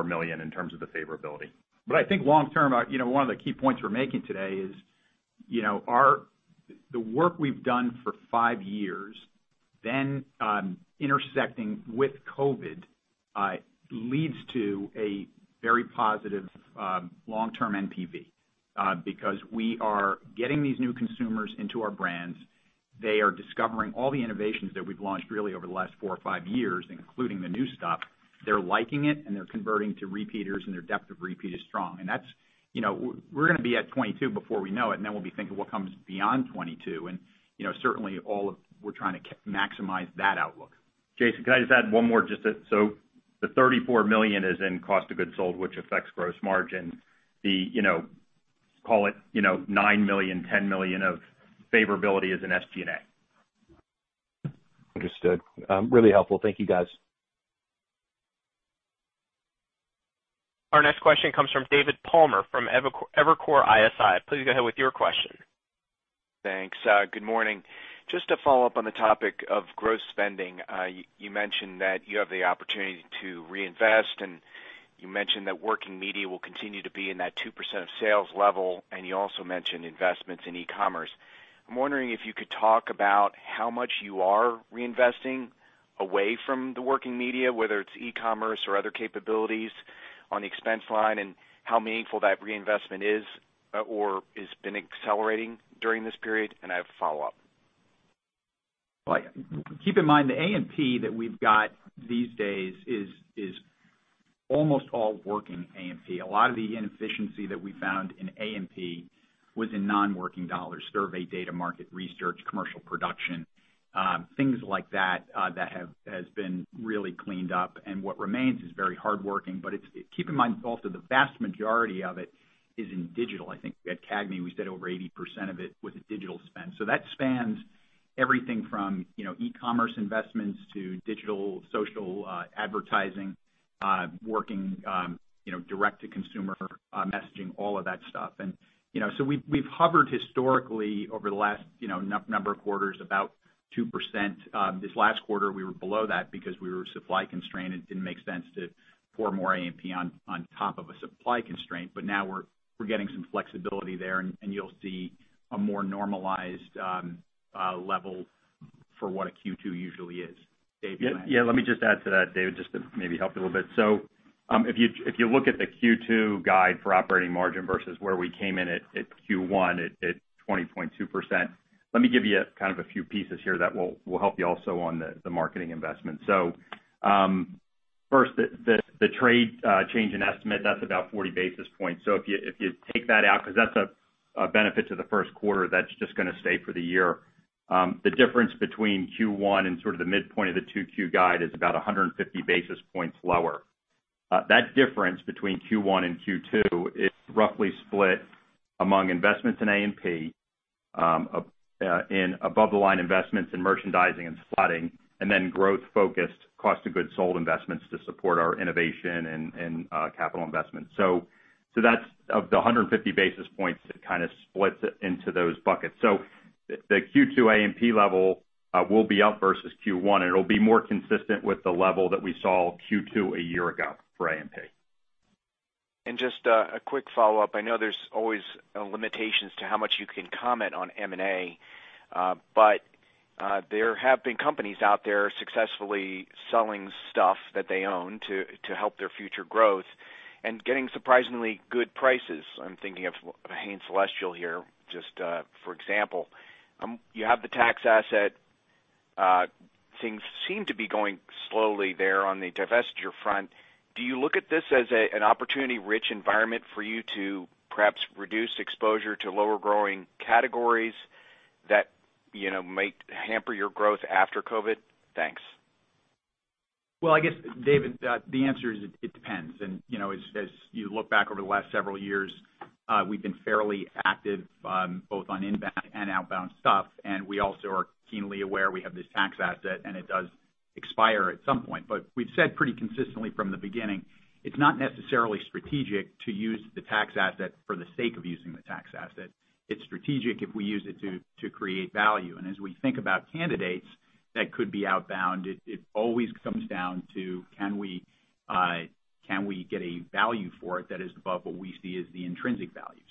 million in terms of the favorability. I think long term, one of the key points we're making today is the work we've done for five years, intersecting with COVID, leads to a very positive long-term NPV. Because we are getting these new consumers into our brands. They are discovering all the innovations that we've launched really over the last four or five years, including the new stuff. They're liking it, they're converting to repeaters, their depth of repeat is strong. We're going to be at 2022 before we know it, and then we'll be thinking what comes beyond 2022, and certainly, we're trying to maximize that outlook. Jason, could I just add one more? Just so the $34 million is in cost of goods sold, which affects gross margin. Call it $9 million, $10 million of favorability is in SG&A. Understood. Really helpful. Thank you, guys. Our next question comes from David Palmer from Evercore ISI. Please go ahead with your question. Thanks. Good morning. Just to follow up on the topic of gross spending. You mentioned that you have the opportunity to reinvest, and you mentioned that working media will continue to be in that 2% of sales level, and you also mentioned investments in e-commerce. I'm wondering if you could talk about how much you are reinvesting away from the working media, whether it's e-commerce or other capabilities on the expense line, and how meaningful that reinvestment is, or has been accelerating during this period? I have a follow-up. Keep in mind, the A&P that we've got these days is almost all working A&P. A lot of the inefficiency that we found in A&P was in non-working dollars, survey data, market research, commercial production, things like that have been really cleaned up. What remains is very hardworking. Keep in mind also, the vast majority of it is in digital. I think at CAGNY, we said over 80% of it was in digital spend. That spans everything from e-commerce investments to digital social advertising, working direct to consumer messaging, all of that stuff. We've hovered historically over the last number of quarters about 2%. This last quarter, we were below that because we were supply constrained. It didn't make sense to pour more A&P on top of a supply constraint. Now we're getting some flexibility there, and you'll see a more normalized level for what a Q2 usually is. Dave, go ahead. Yeah. Let me just add to that, David, just to maybe help you a little bit. If you look at the Q2 guide for operating margin versus where we came in at Q1 at 20.2%, let me give you kind of a few pieces here that will help you also on the marketing investment. First, the trade change in estimate, that's about 40 basis points. If you take that out, because that's a benefit to the first quarter, that's just going to stay for the year. The difference between Q1 and sort of the midpoint of the 2Q guide is about 150 basis points lower. That difference between Q1 and Q2 is roughly split among investments in A&P, in above the line investments in merchandising and slotting, and then growth-focused cost of goods sold investments to support our innovation and capital investments. That's of the 150 basis points that kind of splits it into those buckets. The Q2 A&P level will be up versus Q1, and it'll be more consistent with the level that we saw Q2 a year ago for A&P. Just a quick follow-up. I know there's always limitations to how much you can comment on M&A. There have been companies out there successfully selling stuff that they own to help their future growth and getting surprisingly good prices. I'm thinking of Hain Celestial here, just for example. You have the tax asset. Things seem to be going slowly there on the divestiture front. Do you look at this as an opportunity-rich environment for you to perhaps reduce exposure to lower growing categories that might hamper your growth after COVID? Thanks. Well, I guess, David, the answer is it depends. As you look back over the last several years, we've been fairly active both on inbound and outbound stuff, and we also are keenly aware we have this tax asset, and it does expire at some point. We've said pretty consistently from the beginning, it's not necessarily strategic to use the tax asset for the sake of using the tax asset. It's strategic if we use it to create value. As we think about candidates that could be outbound, it always comes down to can we get a value for it that is above what we see as the intrinsic value?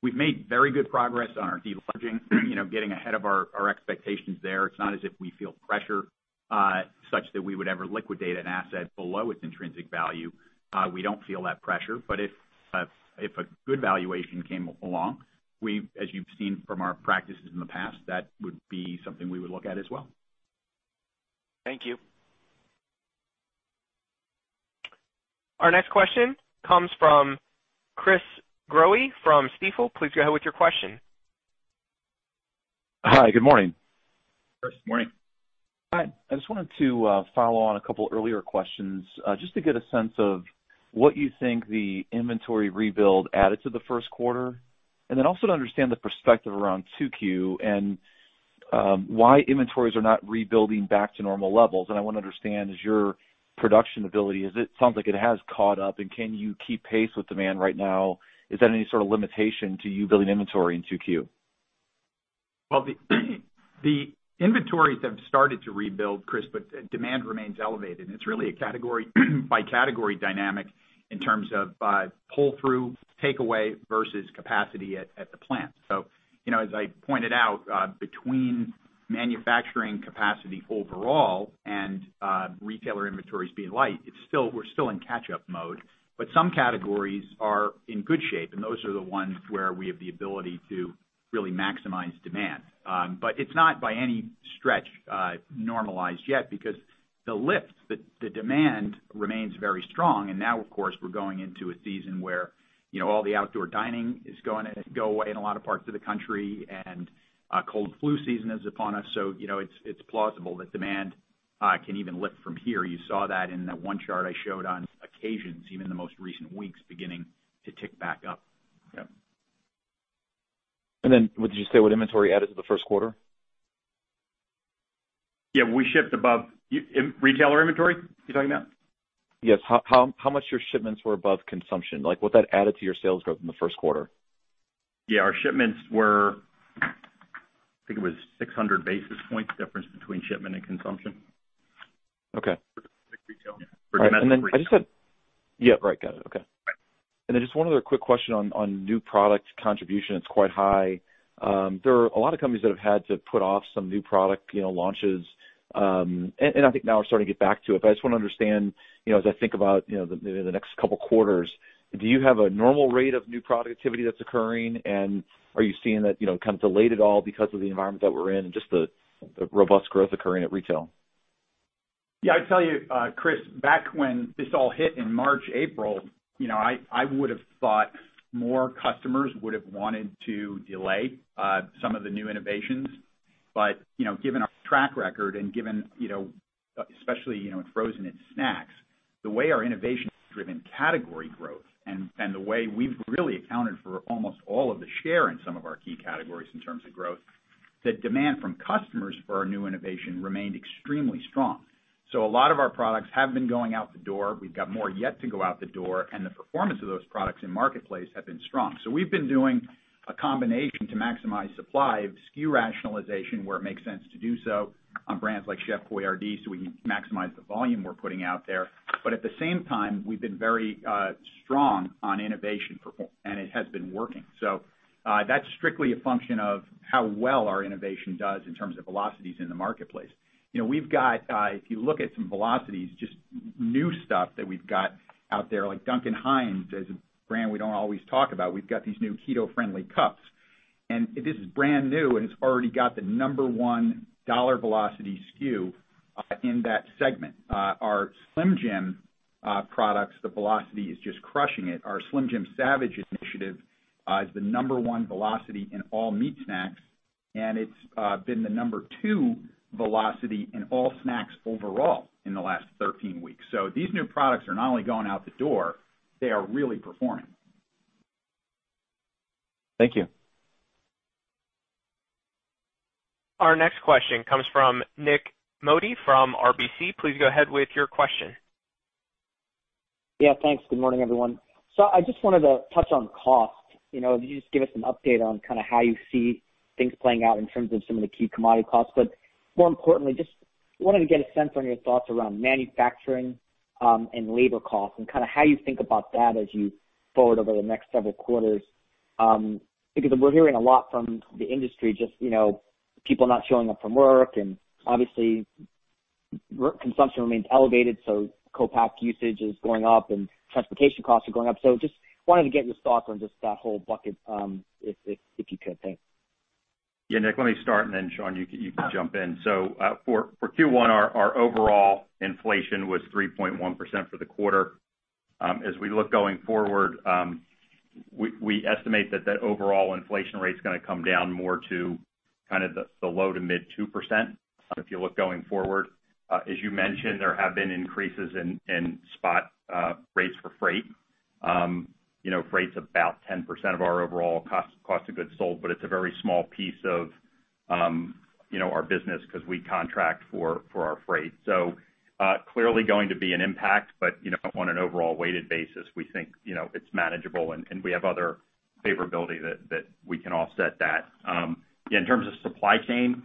We've made very good progress on our deleveraging, getting ahead of our expectations there. It's not as if we feel pressure Such that we would ever liquidate an asset below its intrinsic value, we don't feel that pressure. If a good valuation came along, as you've seen from our practices in the past, that would be something we would look at as well. Thank you. Our next question comes from Chris Growe from Stifel. Please go ahead with your question. Hi, good morning. Chris, morning. I just wanted to follow on a couple earlier questions, just to get a sense of what you think the inventory rebuild added to the first quarter, and then also to understand the perspective around 2Q and why inventories are not rebuilding back to normal levels. I want to understand, is your production ability, it sounds like it has caught up and can you keep pace with demand right now? Is that any sort of limitation to you building inventory in 2Q? The inventories have started to rebuild, Chris, but demand remains elevated, and it's really a category by category dynamic in terms of pull through takeaway versus capacity at the plant. As I pointed out, between manufacturing capacity overall and retailer inventories being light, we're still in catch-up mode. Some categories are in good shape, and those are the ones where we have the ability to really maximize demand. It's not by any stretch normalized yet because the lift, the demand remains very strong. Now, of course, we're going into a season where all the outdoor dining is going to go away in a lot of parts of the country and cold flu season is upon us, so it's plausible that demand can even lift from here. You saw that in that one chart I showed on occasions, even in the most recent weeks, beginning to tick back up. Yeah. Then what did you say what inventory added to the first quarter? Retailer inventory, you're talking about? Yes. How much your shipments were above consumption, like what that added to your sales growth in the first quarter. Yeah, our shipments were, I think it was 600 basis points difference between shipment and consumption. Okay. For retail, yeah. For domestic retail. Yeah, right, got it. Okay. Right. Then just one other quick question on new product contribution that's quite high? There are a lot of companies that have had to put off some new product launches, and I think now are starting to get back to it. I just want to understand, as I think about the next couple of quarters, do you have a normal rate of new productivity that's occurring and are you seeing that kind of delayed at all because of the environment that we're in and just the robust growth occurring at retail? I'd tell you, Chris, back when this all hit in March, April, I would've thought more customers would've wanted to delay some of the new innovations. Given our track record and given, especially in frozen and snacks, the way our innovation-driven category growth and the way we've really accounted for almost all of the share in some of our key categories in terms of growth, the demand from customers for our new innovation remained extremely strong. A lot of our products have been going out the door. We've got more yet to go out the door and the performance of those products in marketplace have been strong. We've been doing a combination to maximize supply of SKU rationalization where it makes sense to do so on brands like Chef Boyardee so we can maximize the volume we're putting out there. At the same time, we've been very strong on innovation, and it has been working. That's strictly a function of how well our innovation does in terms of velocities in the marketplace. We've got, if you look at some velocities, just new stuff that we've got out there like Duncan Hines as a brand we don't always talk about. We've got these new keto friendly cups. This is brand new and it's already got the number one dollar velocity SKU in that segment. Our Slim Jim products, the velocity is just crushing it. Our Slim Jim Savage initiative is the number one velocity in all meat snacks and it's been the number two velocity in all snacks overall in the last 13 weeks. These new products are not only going out the door, they are really performing. Thank you. Our next question comes from Nik Modi from RBC. Please go ahead with your question. Yeah, thanks. Good morning, everyone. I just wanted to touch on cost. Can you just give us an update on kind of how you see things playing out in terms of some of the key commodity costs, but more importantly, just wanted to get a sense on your thoughts around manufacturing and labor costs and kind of how you think about that as you forward over the next several quarters. Because we're hearing a lot from the industry, just people not showing up from work and obviously consumption remains elevated so co-pack usage is going up and transportation costs are going up. Just wanted to get your thoughts on just that whole bucket if you could, thanks. Yeah, Nik, let me start and then Sean you can jump in. For Q1 our overall inflation was 3.1% for the quarter. As we look going forward, we estimate that overall inflation rate's going to come down more to kind of the low to mid 2%, if you look going forward. As you mentioned, there have been increases in spot rates for freight. Freight's about 10% of our overall cost of goods sold, but it's a very small piece of our business because we contract for our freight. Clearly going to be an impact, but on an overall weighted basis we think it's manageable and we have other favorability that we can offset that. In terms of supply chain,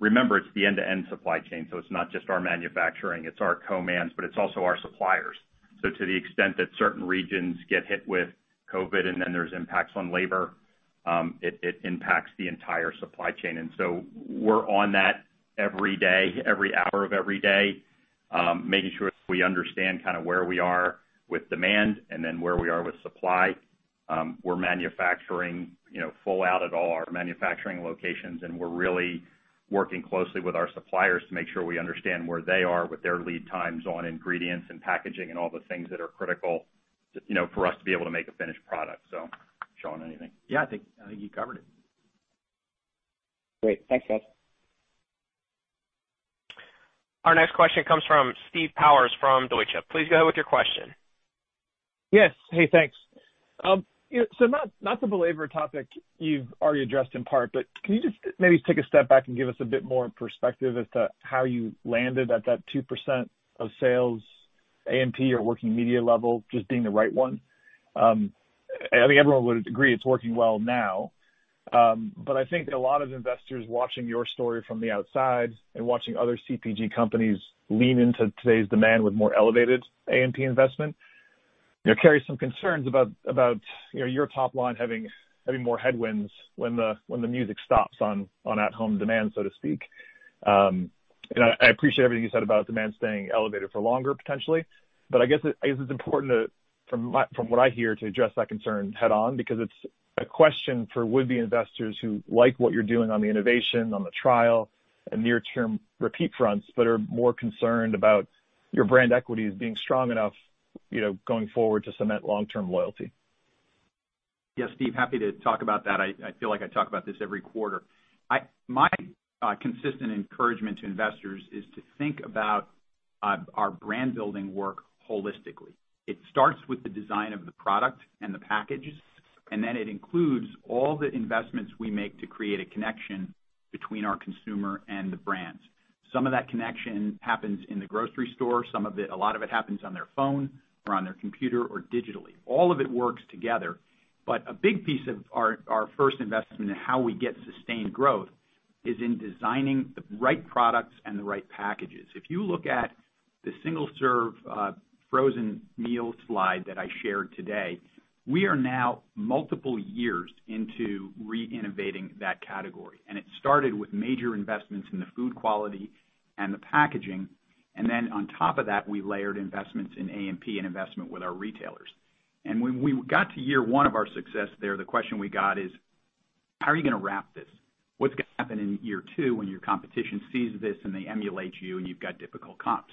remember it's the end-to-end supply chain so it's not just our manufacturing, it's our co-mans, but it's also our suppliers. to the extent that certain regions get hit with COVID and then there's impacts on labor. It impacts the entire supply chain. We're on that every day, every hour of every day, making sure we understand where we are with demand and then where we are with supply. We're manufacturing full out at all our manufacturing locations, and we're really working closely with our suppliers to make sure we understand where they are with their lead times on ingredients and packaging and all the things that are critical for us to be able to make a finished product. Sean, anything? Yeah, I think you covered it. Great. Thanks, guys. Our next question comes from Steve Powers from Deutsche. Please go ahead with your question. Yes. Hey, thanks. Not the flavor topic you've already addressed in part, but can you just maybe take a step back and give us a bit more perspective as to how you landed at that 2% of sales A&P or working media level just being the right one? I mean, everyone would agree it's working well now. I think that a lot of investors watching your story from the outside and watching other CPG companies lean into today's demand with more elevated A&P investment carry some concerns about your top line having more headwinds when the music stops on at-home demand, so to speak. I appreciate everything you said about demand staying elevated for longer, potentially. I guess it's important to, from what I hear, to address that concern head-on because it's a question for would-be investors who like what you're doing on the innovation, on the trial, and near-term repeat fronts, but are more concerned about your brand equities being strong enough going forward to cement long-term loyalty. Yes, Steve, happy to talk about that. I feel like I talk about this every quarter. My consistent encouragement to investors is to think about our brand-building work holistically. It starts with the design of the product and the packages, and then it includes all the investments we make to create a connection between our consumer and the brands. Some of that connection happens in the grocery store, a lot of it happens on their phone or on their computer or digitally. All of it works together. A big piece of our first investment in how we get sustained growth is in designing the right products and the right packages. If you look at the single-serve frozen meal slide that I shared today, we are now multiple years into re-innovating that category, and it started with major investments in the food quality and the packaging. On top of that, we layered investments in A&P and investment with our retailers. When we got to year one of our success there, the question we got is, how are you going to wrap this? What's going to happen in year two when your competition sees this and they emulate you and you've got difficult comps?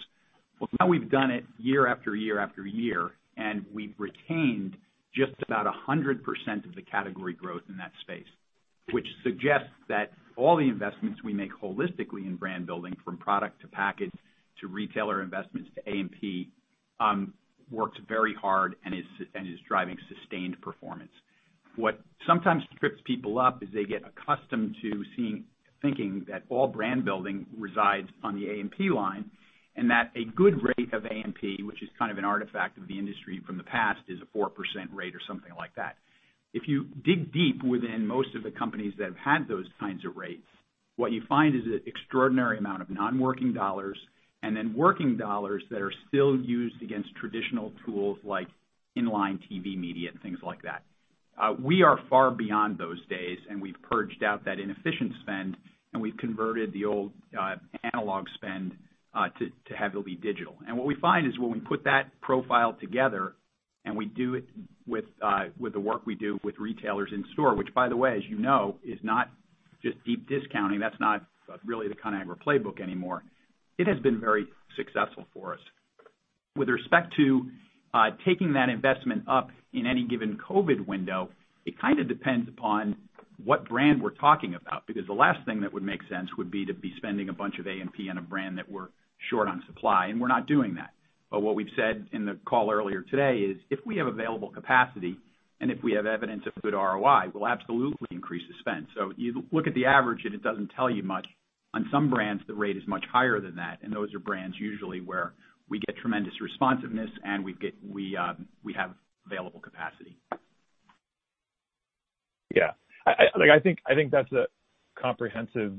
Well, now we've done it year after year after year, and we've retained just about 100% of the category growth in that space, which suggests that all the investments we make holistically in brand building, from product to package to retailer investments to A&P, works very hard and is driving sustained performance. What sometimes trips people up is they get accustomed to thinking that all brand building resides on the A&P line and that a good rate of A&P, which is kind of an artifact of the industry from the past, is a 4% rate or something like that. If you dig deep within most of the companies that have had those kinds of rates, what you find is an extraordinary amount of non-working dollars and then working dollars that are still used against traditional tools like in-line TV media and things like that. We are far beyond those days, we've purged out that inefficient spend and we've converted the old analog spend to heavily digital. What we find is when we put that profile together and we do it with the work we do with retailers in store, which by the way, as you know, is not just deep discounting. That's not really the Conagra playbook anymore. It has been very successful for us. With respect to taking that investment up in any given COVID window, it kind of depends upon what brand we're talking about, because the last thing that would make sense would be to be spending a bunch of A&P on a brand that we're short on supply, and we're not doing that. What we've said in the call earlier today is if we have available capacity and if we have evidence of good ROI, we'll absolutely increase the spend. You look at the average and it doesn't tell you much. On some brands, the rate is much higher than that, and those are brands usually where we get tremendous responsiveness and we have available capacity. Yeah. I think that's a comprehensive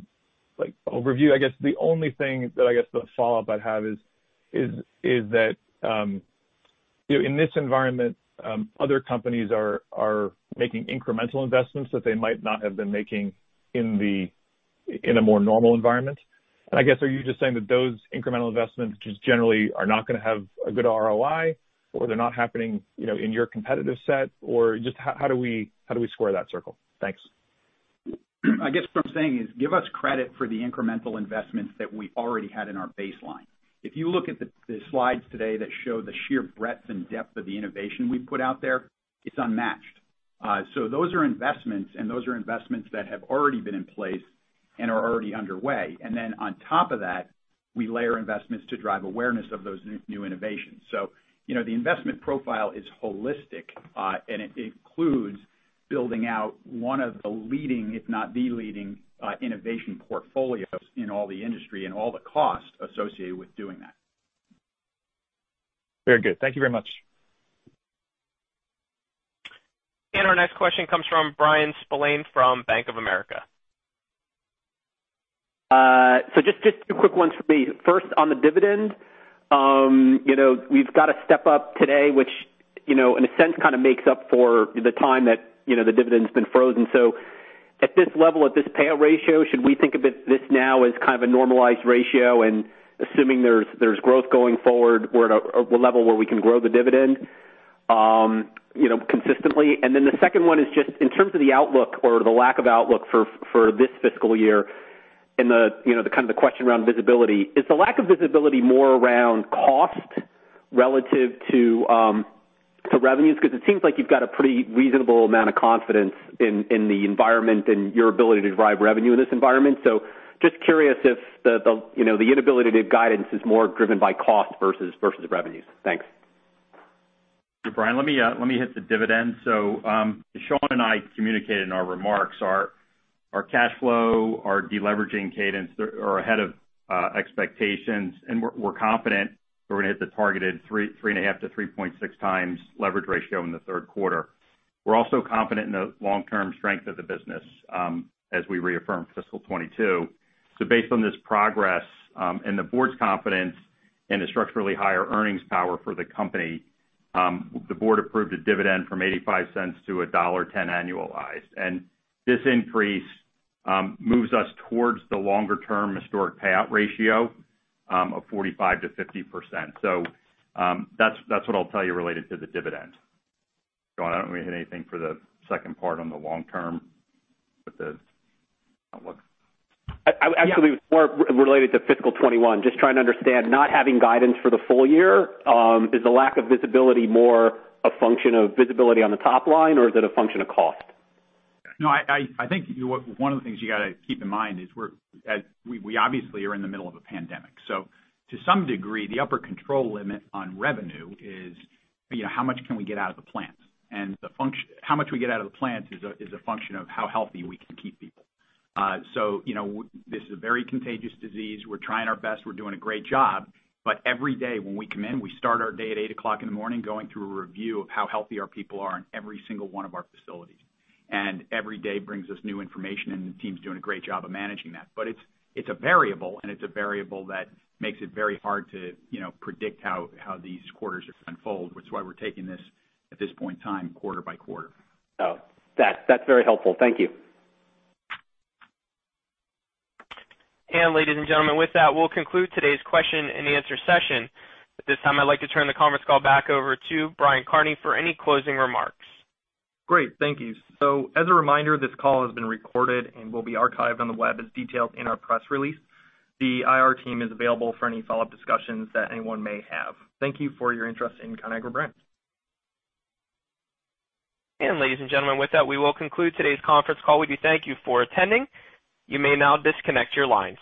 overview. I guess the only thing that I guess the follow-up I'd have is that in this environment, other companies are making incremental investments that they might not have been making in a more normal environment. I guess, are you just saying that those incremental investments just generally are not going to have a good ROI or they're not happening in your competitive set? Or just how do we square that circle? Thanks. I guess what I'm saying is give us credit for the incremental investments that we already had in our baseline. If you look at the slides today that show the sheer breadth and depth of the innovation we've put out there, it's unmatched. Those are investments, those are investments that have already been in place and are already underway. Then on top of that, we layer investments to drive awareness of those new innovations. The investment profile is holistic, and it includes building out one of the leading, if not the leading, innovation portfolios in all the industry and all the cost associated with doing that. Very good. Thank you very much. Our next question comes from Bryan Spillane from Bank of America. Just two quick ones for me. First, on the dividend, we've got a step up today, which in a sense kind of makes up for the time that the dividend's been frozen. At this level, at this payout ratio, should we think of this now as kind of a normalized ratio and assuming there's growth going forward, we're at a level where we can grow the dividend consistently? The second one is just in terms of the outlook or the lack of outlook for this fiscal year and the question around visibility. Is the lack of visibility more around cost relative to revenues? It seems like you've got a pretty reasonable amount of confidence in the environment and your ability to drive revenue in this environment. Just curious if the inability to give guidance is more driven by cost versus revenues. Thanks. Bryan, let me hit the dividend. Sean and I communicated in our remarks our cash flow, our de-leveraging cadence are ahead of expectations, and we're confident that we're going to hit the targeted 3.5x-3.6x leverage ratio in the third quarter. We're also confident in the long-term strength of the business as we reaffirm fiscal 2022. Based on this progress and the board's confidence in the structurally higher earnings power for the company, the board approved a dividend from $0.85-$1.10 annualized. This increase moves us towards the longer-term historic payout ratio of 45%-50%. That's what I'll tell you related to the dividend. Sean, I don't know if you have anything for the second part on the long term with the outlook. Actually, it was more related to fiscal 2021. Just trying to understand, not having guidance for the full year, is the lack of visibility more a function of visibility on the top line, or is it a function of cost? No, I think one of the things you got to keep in mind is we obviously are in the middle of a pandemic. To some degree, the upper control limit on revenue is how much can we get out of the plants? How much we get out of the plants is a function of how healthy we can keep people. This is a very contagious disease. We're trying our best. We're doing a great job. Every day when we come in, we start our day at 8:00 A.M. going through a review of how healthy our people are in every single one of our facilities. Every day brings us new information, and the team's doing a great job of managing that. It's a variable, and it's a variable that makes it very hard to predict how these quarters are going to unfold, which is why we're taking this, at this point in time, quarter-by-quarter. Oh, that's very helpful. Thank you. Ladies and gentlemen, with that, we'll conclude today's question-and-answer session. At this time, I'd like to turn the conference call back over to Brian Kearney for any closing remarks. Great. Thank you. As a reminder, this call has been recorded and will be archived on the web as detailed in our press release. The IR team is available for any follow-up discussions that anyone may have. Thank you for your interest in Conagra Brands. Ladies and gentlemen, with that, we will conclude today's conference call. We do thank you for attending. You may now disconnect your lines.